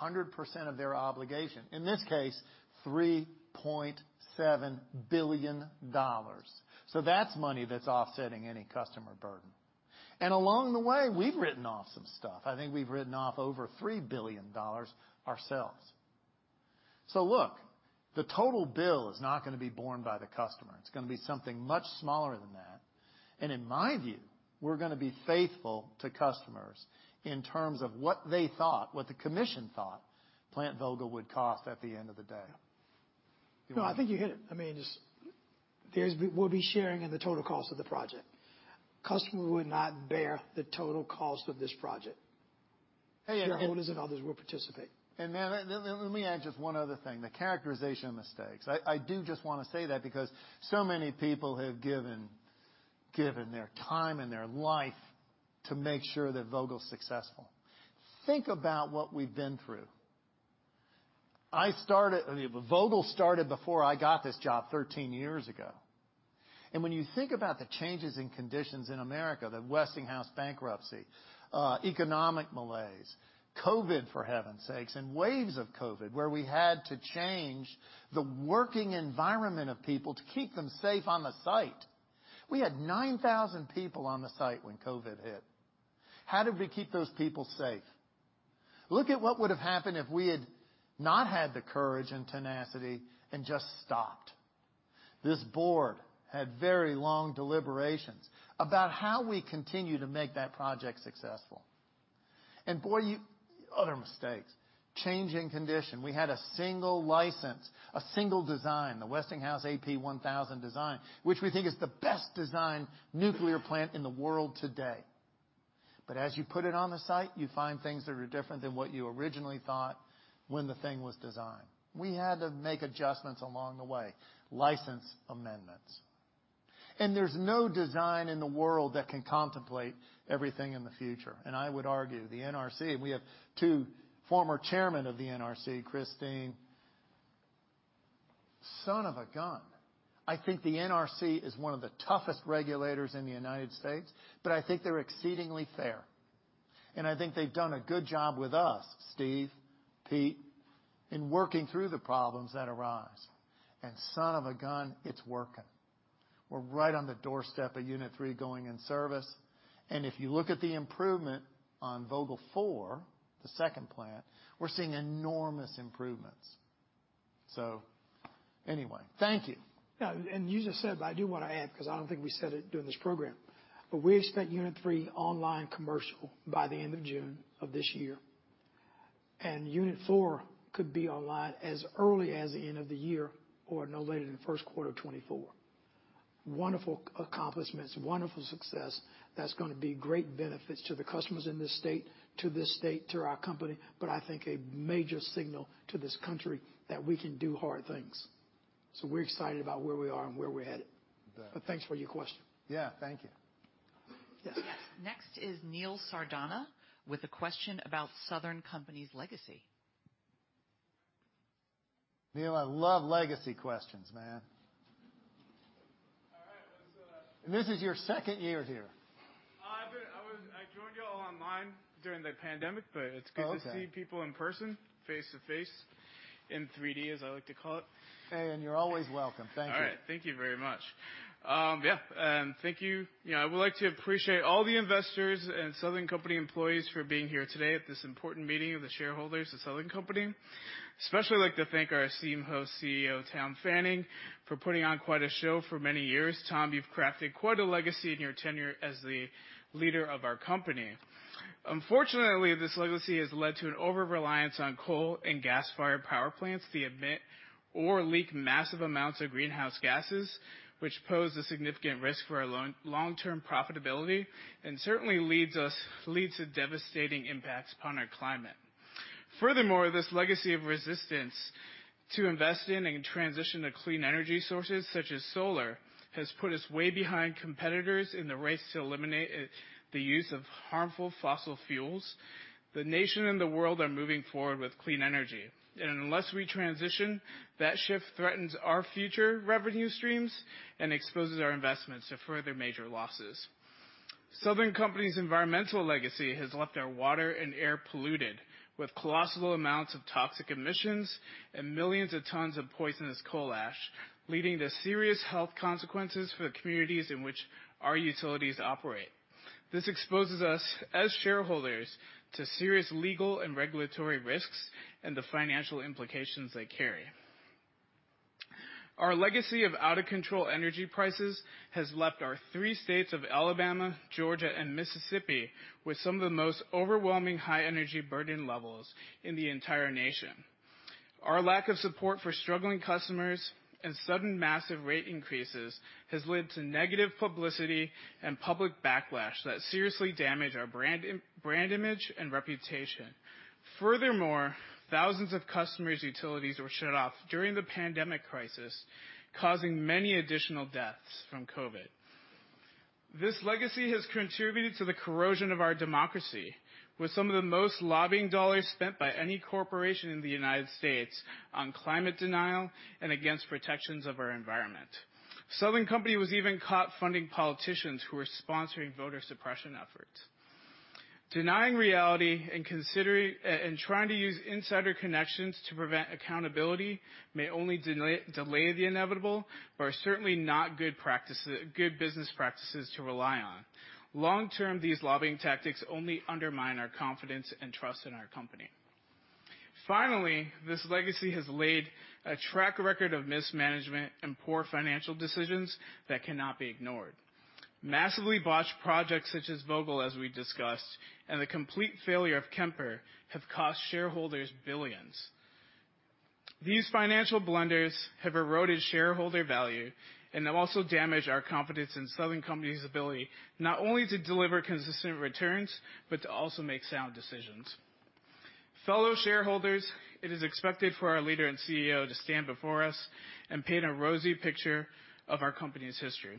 100% of their obligation, in this case, $3.7 billion. That's money that's offsetting any customer burden. Along the way, we've written off some stuff. I think we've written off over $3 billion ourselves. Look, the total bill is not gonna be borne by the customer. It's gonna be something much smaller than that. In my view, we're gonna be faithful to customers in terms of what they thought, what the Commission thought Plant Vogtle would cost at the end of the day. No, I think you hit it. I mean, just we'll be sharing in the total cost of the project. Customer would not bear the total cost of this project. And, and- Shareholders and others will participate. Let me add just one other thing, the characterization of mistakes. I do just wanna say that because so many people have given their time and their life to make sure that Vogtle's successful. Think about what we've been through. I mean, Vogtle started before I got this job 13 years ago. When you think about the changes in conditions in America, the Westinghouse bankruptcy, economic malaise, COVID, for heaven's sakes, and waves of COVID, where we had to change the working environment of people to keep them safe on the site. We had 9,000 people on the site when COVID hit. How did we keep those people safe? Look at what would have happened if we had not had the courage and tenacity and just stopped. This board had very long deliberations about how we continue to make that project successful. Boy, other mistakes. Changing condition. We had a single license, a single design, the Westinghouse AP1000 design, which we think is the best designed nuclear plant in the world today. As you put it on the site, you find things that are different than what you originally thought when the thing was designed. We had to make adjustments along the way, license amendments. There's no design in the world that can contemplate everything in the future. I would argue the NRC, we have two former chairman of the NRC, Kristine Svinicki. Son of a gun. I think the NRC is one of the toughest regulators in the U.S., but I think they're exceedingly fair. I think they've done a good job with us, Steve, Pete, in working through the problems that arise. Son of a gun, it's working. We're right on the doorstep of unit three going in service. If you look at the improvement on Vogtle 4, the second plant, we're seeing enormous improvements. Anyway, thank you. Yeah. You just said, but I do want to add 'cause I don't think we said it during this program, but we expect unit three online commercial by the end of June of this year. Unit 4 could be online as early as the end of the year or no later than the first quarter of 2024. Wonderful accomplishments, wonderful success. That's gonna be great benefits to the customers in this state, to this state, to our company, but I think a major signal to this country that we can do hard things. We're excited about where we are and where we're headed. Yeah. Thanks for your question. Yeah. Thank you. Yes. Next is Neil Sardana with a question about Southern Company's legacy. Neil, I love legacy questions, man. All right. Let's. This is your second year here. I joined y'all online during the pandemic, but it's... Oh, okay. Good to see people in person, face to face, in 3D, as I like to call it. Hey, you're always welcome. Thank you. All right. Thank you very much. Yeah. Thank you. You know, I would like to appreciate all the investors and Southern Company employees for being here today at this important meeting of the shareholders of Southern Company. Especially like to thank our esteemed host, CEO Tom Fanning, for putting on quite a show for many years. Tom, you've crafted quite a legacy in your tenure as the leader of our company. Unfortunately, this legacy has led to an over-reliance on coal and gas-fired power plants that emit or leak massive amounts of greenhouse gases, which pose a significant risk for our long, long-term profitability and certainly leads to devastating impacts upon our climate. Furthermore, this legacy of resistance to invest in and transition to clean energy sources such as solar has put us way behind competitors in the race to eliminate the use of harmful fossil fuels. The nation and the world are moving forward with clean energy. Unless we transition, that shift threatens our future revenue streams and exposes our investments to further major losses. Southern Company's environmental legacy has left our water and air polluted with colossal amounts of toxic emissions and millions of tons of poisonous coal ash, leading to serious health consequences for the communities in which our utilities operate. This exposes us, as shareholders, to serious legal and regulatory risks and the financial implications they carry. Our legacy of out-of-control energy prices has left our three states of Alabama, Georgia, and Mississippi with some of the most overwhelming high energy burden levels in the entire nation. Our lack of support for struggling customers and sudden massive rate increases has led to negative publicity and public backlash that seriously damage our brand image and reputation. Thousands of customers' utilities were shut off during the pandemic crisis, causing many additional deaths from COVID. This legacy has contributed to the corrosion of our democracy, with some of the most lobbying dollars spent by any corporation in the U.S. on climate denial and against protections of our environment. Southern Company was even caught funding politicians who were sponsoring voter suppression efforts. Denying reality and considering and trying to use insider connections to prevent accountability may only delay the inevitable, but are certainly not good practices, good business practices to rely on. Long-term, these lobbying tactics only undermine our confidence and trust in our company. Finally, this legacy has laid a track record of mismanagement and poor financial decisions that cannot be ignored. Massively botched projects such as Vogtle, as we discussed, and the complete failure of Kemper have cost shareholders billions. These financial blunders have eroded shareholder value and have also damaged our confidence in Southern Company's ability, not only to deliver consistent returns, but to also make sound decisions. Fellow shareholders, it is expected for our leader and CEO to stand before us and paint a rosy picture of our company's history.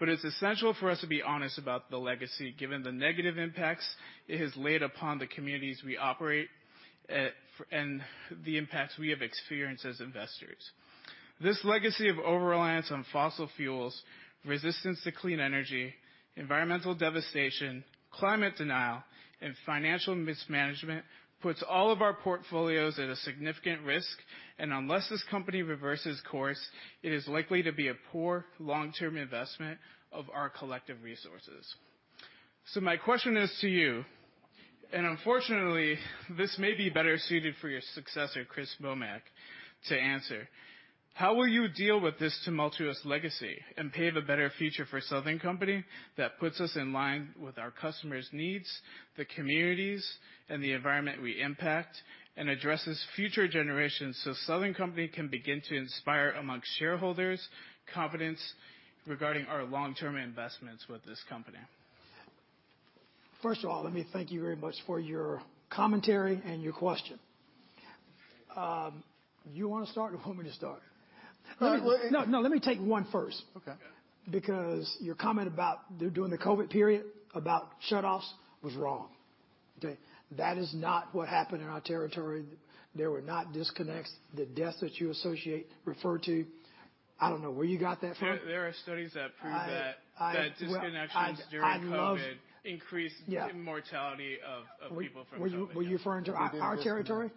It's essential for us to be honest about the legacy, given the negative impacts it has laid upon the communities we operate, and the impacts we have experienced as investors. This legacy of overreliance on fossil fuels, resistance to clean energy, environmental devastation, climate denial, and financial mismanagement puts all of our portfolios at a significant risk. Unless this company reverses course, it is likely to be a poor long-term investment of our collective resources. My question is to you, and unfortunately, this may be better suited for your successor, Chris Womack, to answer? How will you deal with this tumultuous legacy and pave a better future for Southern Company that puts us in line with our customers' needs, the communities and the environment we impact, and addresses future generations so Southern Company can begin to inspire amongst shareholders confidence regarding our long-term investments with this company? First of all, let me thank you very much for your commentary and your question. You wanna start, or you want me to start? No. No, no, let me take one first. Okay. Because your comment about during the COVID period about shutoffs was wrong. Okay? That is not what happened in our territory. There were not disconnects. The death that you associate, refer to, I don't know where you got that from. There are studies that prove that. I, I- That disconnections during COVID- I'd love- -increased- Yeah. mortality of people from COVID. Were you referring to our territory?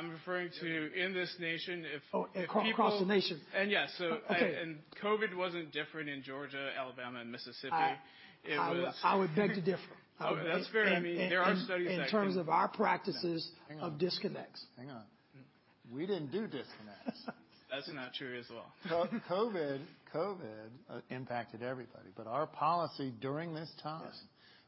I'm referring to in this nation, if people- Oh, across the nation. Yeah. Okay. COVID wasn't different in Georgia, Alabama, and Mississippi. I- It was- I would beg to differ. Okay. That's fair. I mean, there are studies that- In terms of our practices of disconnects. Hang on. Hang on. We didn't do disconnects. That's not true as well. Well, COVID impacted everybody, but our policy during this time- Yeah.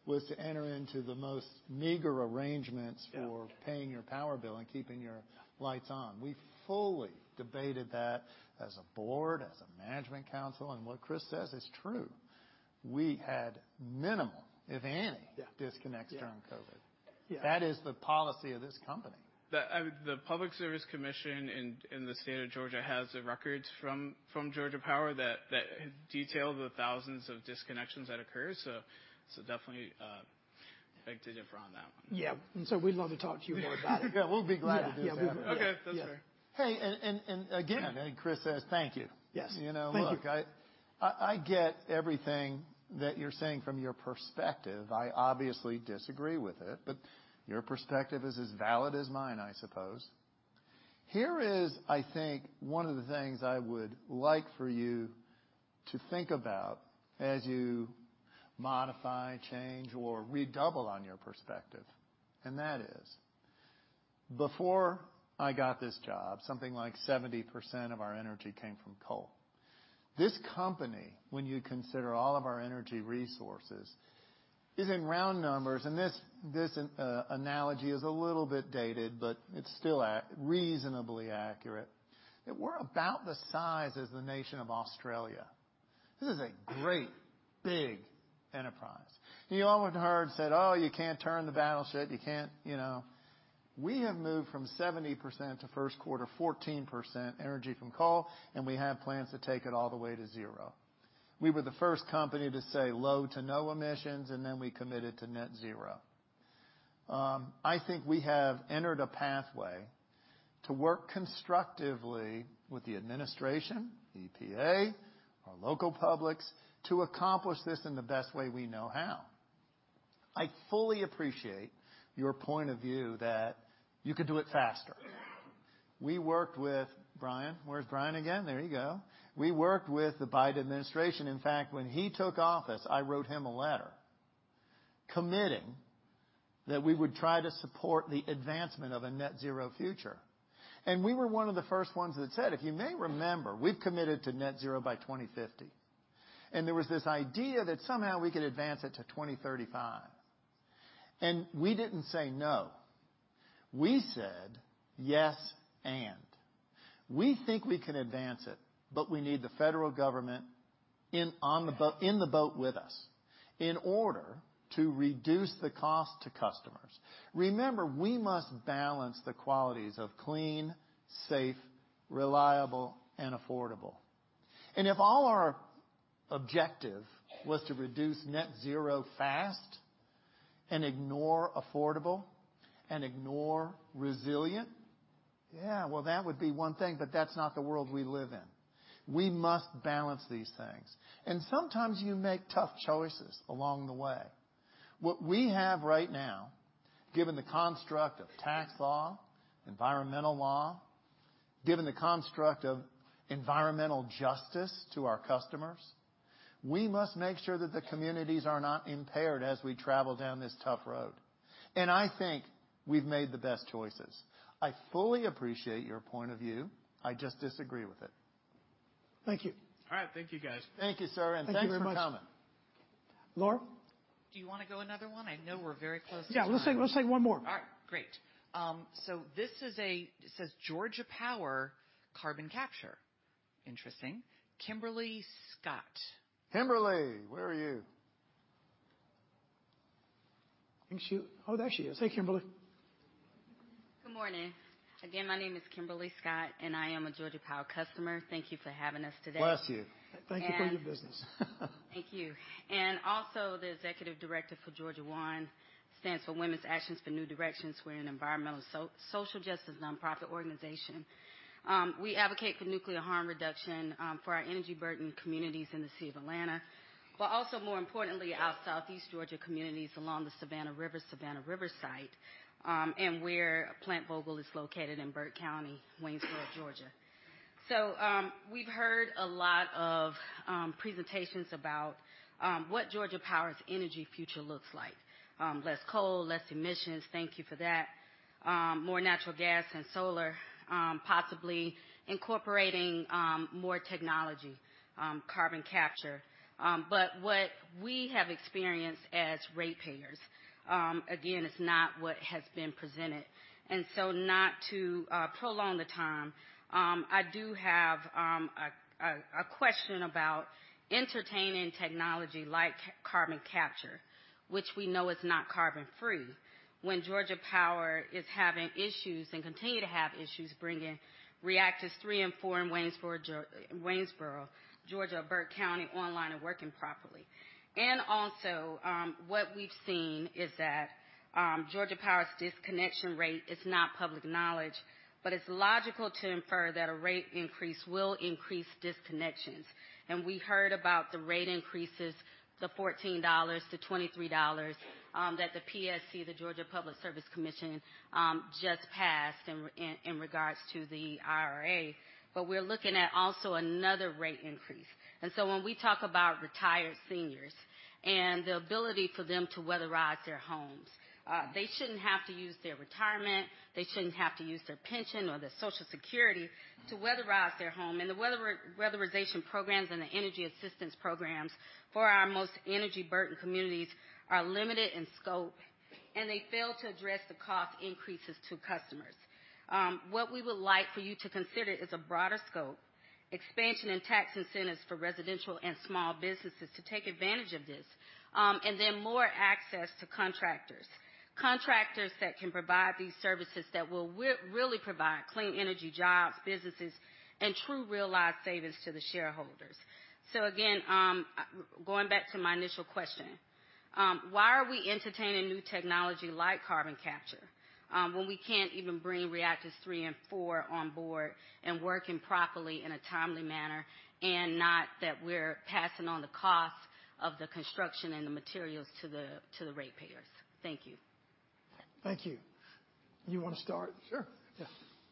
-was to enter into the most meager arrangements for- Yeah. -paying your power bill and keeping your lights on. We fully debated that as a board, as a management council. What Chris says is true. We had minimal, if any. Yeah. disconnects during COVID. Yeah. That is the policy of this company. The Public Service Commission in the state of Georgia has the records from Georgia Power that detail the thousands of disconnections that occurred. Definitely, beg to differ on that one. Yeah. We'd love to talk to you more about it. Yeah, we'll be glad to do that. Yeah. Yeah, we will. Okay. That's fair. Hey, again, I think Chris says thank you. Yes. You know, look. Thank you. I get everything that you're saying from your perspective. I obviously disagree with it, your perspective is as valid as mine, I suppose. Here is, I think, one of the things I would like for you to think about as you modify, change, or redouble on your perspective, that is, before I got this job, something like 70% of our energy came from coal. This company, when you consider all of our energy resources, is in round numbers, this analogy is a little bit dated, but it's still reasonably accurate, that we're about the size as the nation of Australia. This is a great big enterprise. You all went and heard, said, "Oh, you can't turn the battleship. You can't," you know. We have moved from 70% to first quarter 14% energy from coal. We have plans to take it all the way to 0%. We were the first company to say low to no emissions, then we committed to net zero. I think we have entered a pathway to work constructively with the administration, the EPA, our local publics, to accomplish this in the best way we know how. I fully appreciate your point of view that you could do it faster. We worked with Bryan. Where's Bryan again? There you go. We worked with the Biden administration. In fact, when he took office, I wrote him a letter committing that we would try to support the advancement of a net zero future. We were one of the first ones that said, if you may remember, we've committed to net zero by 2050. There was this idea that somehow we could advance it to 2035. We didn't say no. We said, "Yes, and..." We think we can advance it, but we need the federal government in on the boat, in the boat with us in order to reduce the cost to customers. Remember, we must balance the qualities of clean, safe, reliable, and affordable. If all our objective was to reduce net zero fast and ignore affordable and ignore resilient. Well, that would be one thing, but that's not the world we live in. We must balance these things, and sometimes you make tough choices along the way. What we have right now, given the construct of tax law, environmental law, given the construct of environmental justice to our customers, we must make sure that the communities are not impaired as we travel down this tough road. I think we've made the best choices. I fully appreciate your point of view. I just disagree with it. Thank you. All right. Thank you, guys. Thank you, sir. Thank you very much. Thanks for coming. Laura? Do you wanna go another one? I know we're very close to time. Yeah, let's take one more. All right, great. This is a... It says Georgia Power carbon capture. Interesting. Kimberly Scott. Kimberly, where are you? I think she... Oh, there she is. Hey, Kimberly. Good morning. Again, my name is Kimberly Scott, and I am a Georgia Power customer. Thank you for having us today. Bless you. Thank you for your business. Thank you. Also the Executive Director for Georgia WAND, stands for Women's Action for New Directions. We're an environmental social justice non-profit organization. We advocate for nuclear harm reduction, for our energy-burdened communities in the city of Atlanta, but also more importantly, our Southeast Georgia communities along the Savannah River, Savannah River Site, and where Plant Vogtle is located in Burke County, Waynesboro, Georgia. We've heard a lot of presentations about what Georgia Power's energy future looks like. Less coal, less emissions. Thank you for that. More natural gas and solar, possibly incorporating more technology, carbon capture. But what we have experienced as ratepayers, again, is not what has been presented. Not to prolong the time, I do have a question about entertaining technology like carbon capture, which we know is not carbon-free. When Georgia Power is having issues and continue to have issues bringing reactors three and four in Waynesboro, Georgia, Burke County, online and working properly. What we've seen is that Georgia Power's disconnection rate is not public knowledge, but it's logical to infer that a rate increase will increase disconnections. We heard about the rate increases, the $14-$23, that the PSC, the Georgia Public Service Commission, just passed in regards to the IRA. We're looking at also another rate increase. When we talk about retired seniors and the ability for them to weatherize their homes, they shouldn't have to use their retirement, they shouldn't have to use their pension or their Social Security to weatherize their home. The weatherization programs and the energy assistance programs for our most energy-burdened communities are limited in scope, and they fail to address the cost increases to customers. What we would like for you to consider is a broader scope, expansion and tax incentives for residential and small businesses to take advantage of this. More access to contractors. Contractors that can provide these services that will really provide clean energy jobs, businesses, and true realized savings to the shareholders. Again, going back to my initial question, why are we entertaining new technology like carbon capture, when we can't even bring reactors 3 and 4 on board and working properly in a timely manner and not that we're passing on the cost of the construction and the materials to the ratepayers? Thank you. Thank you. You wanna start? Sure.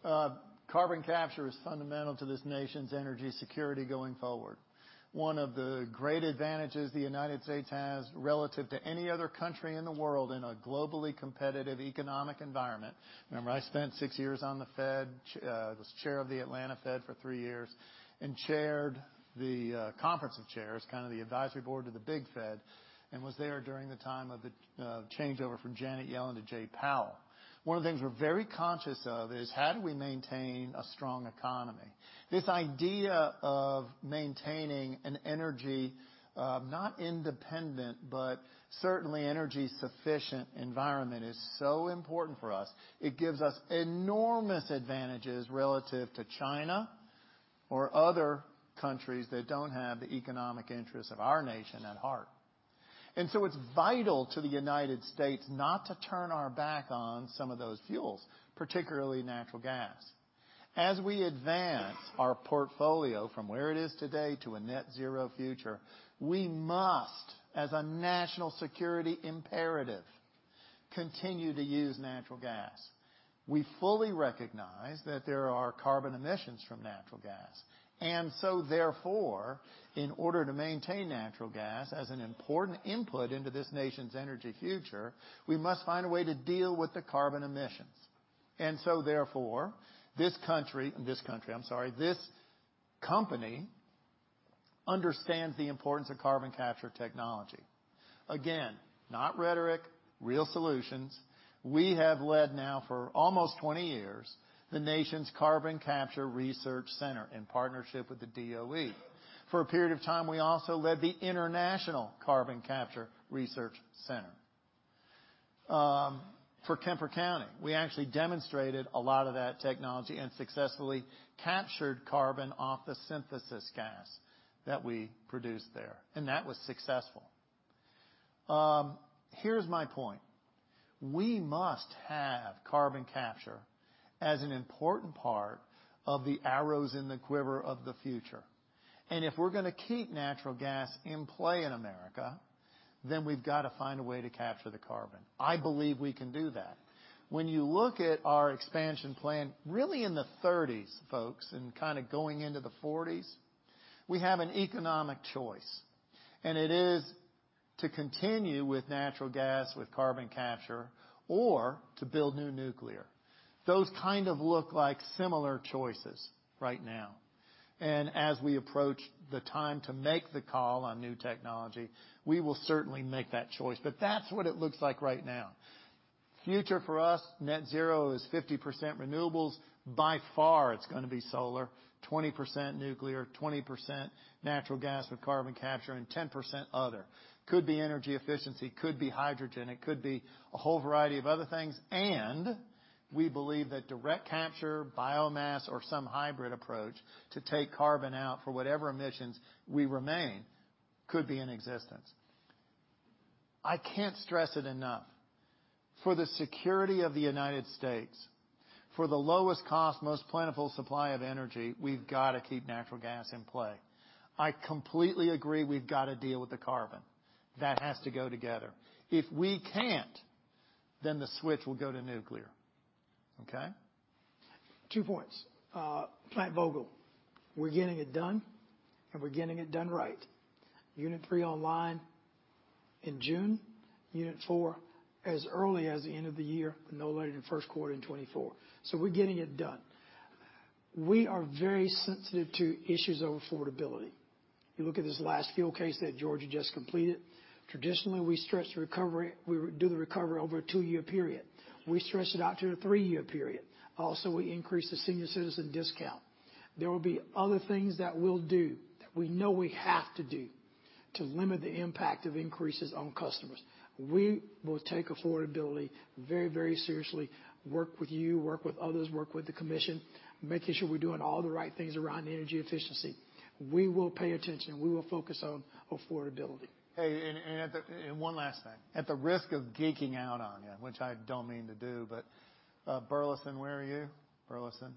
Yeah. Carbon capture is fundamental to this nation's energy security going forward. One of the great advantages the U.S. has relative to any other country in the world in a globally competitive economic environment. Remember, I spent six years on the Fed, was chair of the Atlanta Fed for three years and chaired the conference of chairs, kind of the advisory board to the big Fed, and was there during the time of the changeover from Janet Yellen to Jay Powell. One of the things we're very conscious of is how do we maintain a strong economy? This idea of maintaining an energy, not independent, but certainly energy sufficient environment is so important for us. It gives us enormous advantages relative to China or other countries that don't have the economic interests of our nation at heart. It's vital to the U.S. not to turn our back on some of those fuels, particularly natural gas. As we advance our portfolio from where it is today to a net zero future, we must, as a national security imperative, continue to use natural gas. We fully recognize that there are carbon emissions from natural gas. In order to maintain natural gas as an important input into this nation's energy future, we must find a way to deal with the carbon emissions. This company understands the importance of carbon capture technology. Again, not rhetoric, real solutions. We have led now for almost 20 years, the nation's Carbon Capture Research Center in partnership with the DOE. For a period of time, we also led the International Carbon Capture Research Center. For Kemper County, we actually demonstrated a lot of that technology and successfully captured carbon off the synthesis gas that we produced there, and that was successful. Here's my point. We must have carbon capture as an important part of the arrows in the quiver of the future. If we're gonna keep natural gas in play in America, then we've gotta find a way to capture the carbon. I believe we can do that. When you look at our expansion plan, really in the 30s, folks, and kind of going into the 40s, we have an economic choice, and it is to continue with natural gas with carbon capture or to build new nuclear. Those kind of look like similar choices right now. As we approach the time to make the call on new technology, we will certainly make that choice. That's what it looks like right now. Future for us, net zero is 50% renewables. By far, it's gonna be solar. 20% nuclear, 20% natural gas with carbon capture, and 10% other. Could be energy efficiency, could be hydrogen, it could be a whole variety of other things. We believe that direct capture, biomass or some hybrid approach to take carbon out for whatever emissions we remain could be in existence. I can't stress it enough. For the security of the U.S., for the lowest cost, most plentiful supply of energy, we've gotta keep natural gas in play. I completely agree we've gotta deal with the carbon. That has to go together. If we can't, then the switch will go to nuclear. Okay? 2 points. Plant Vogtle, we're getting it done, and we're getting it done right. Unit 3 online in June, Unit 4 as early as the end of the year, no later than first quarter in 2024. We're getting it done. We are very sensitive to issues of affordability. You look at this last fuel case that Georgia just completed. Traditionally, we do the recovery over a two year period. We stretched it out to a three year period. Also, we increased the senior citizen discount. There will be other things that we'll do, that we know we have to do to limit the impact of increases on customers. We will take affordability very, very seriously. Work with you, work with others, work with the commission, making sure we're doing all the right things around energy efficiency. We will pay attention. We will focus on affordability. Hey. One last thing. At the risk of geeking out on you, which I don't mean to do, but, Burleson, where are you? Burleson.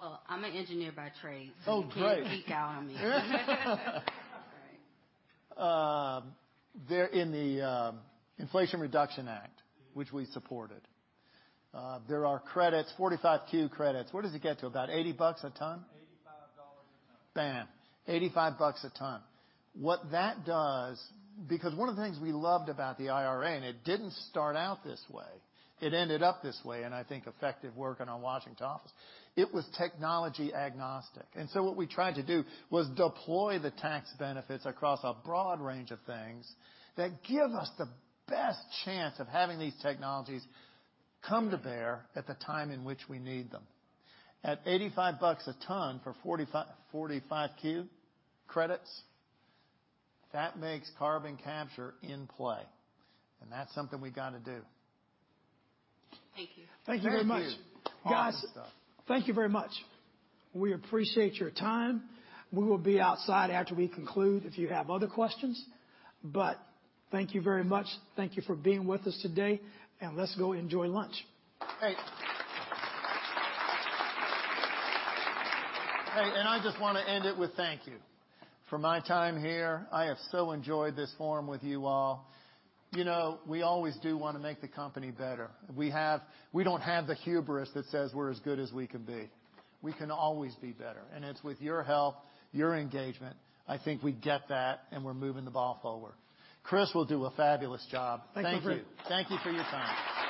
Well, I'm an engineer by trade... Oh, great. You can't geek out on me. Sorry. There in the Inflation Reduction Act, which we supported, there are credits, 45Q credits. What does it get to? About $80 a ton? $85 a ton. Bam. $85 a ton. One of the things we loved about the IRA, it didn't start out this way, it ended up this way, and I think effective working on Washington Office, it was technology agnostic. What we tried to do was deploy the tax benefits across a broad range of things that give us the best chance of having these technologies come to bear at the time in which we need them. At $85 a ton for 45Q credits, that makes carbon capture in play. That's something we gotta do. Thank you. Thank you very much. Thank you. Awesome stuff. Guys, thank you very much. We appreciate your time. We will be outside after we conclude if you have other questions. Thank you very much. Thank you for being with us today, and let's go enjoy lunch. Hey. Hey, I just wanna end it with thank you. For my time here, I have so enjoyed this forum with you all. You know, we always do wanna make the company better. We don't have the hubris that says we're as good as we can be. We can always be better, it's with your help, your engagement. I think we get that, we're moving the ball forward. Chris will do a fabulous job. Thank you. Thank you. Thank you for your time. Thanks so much.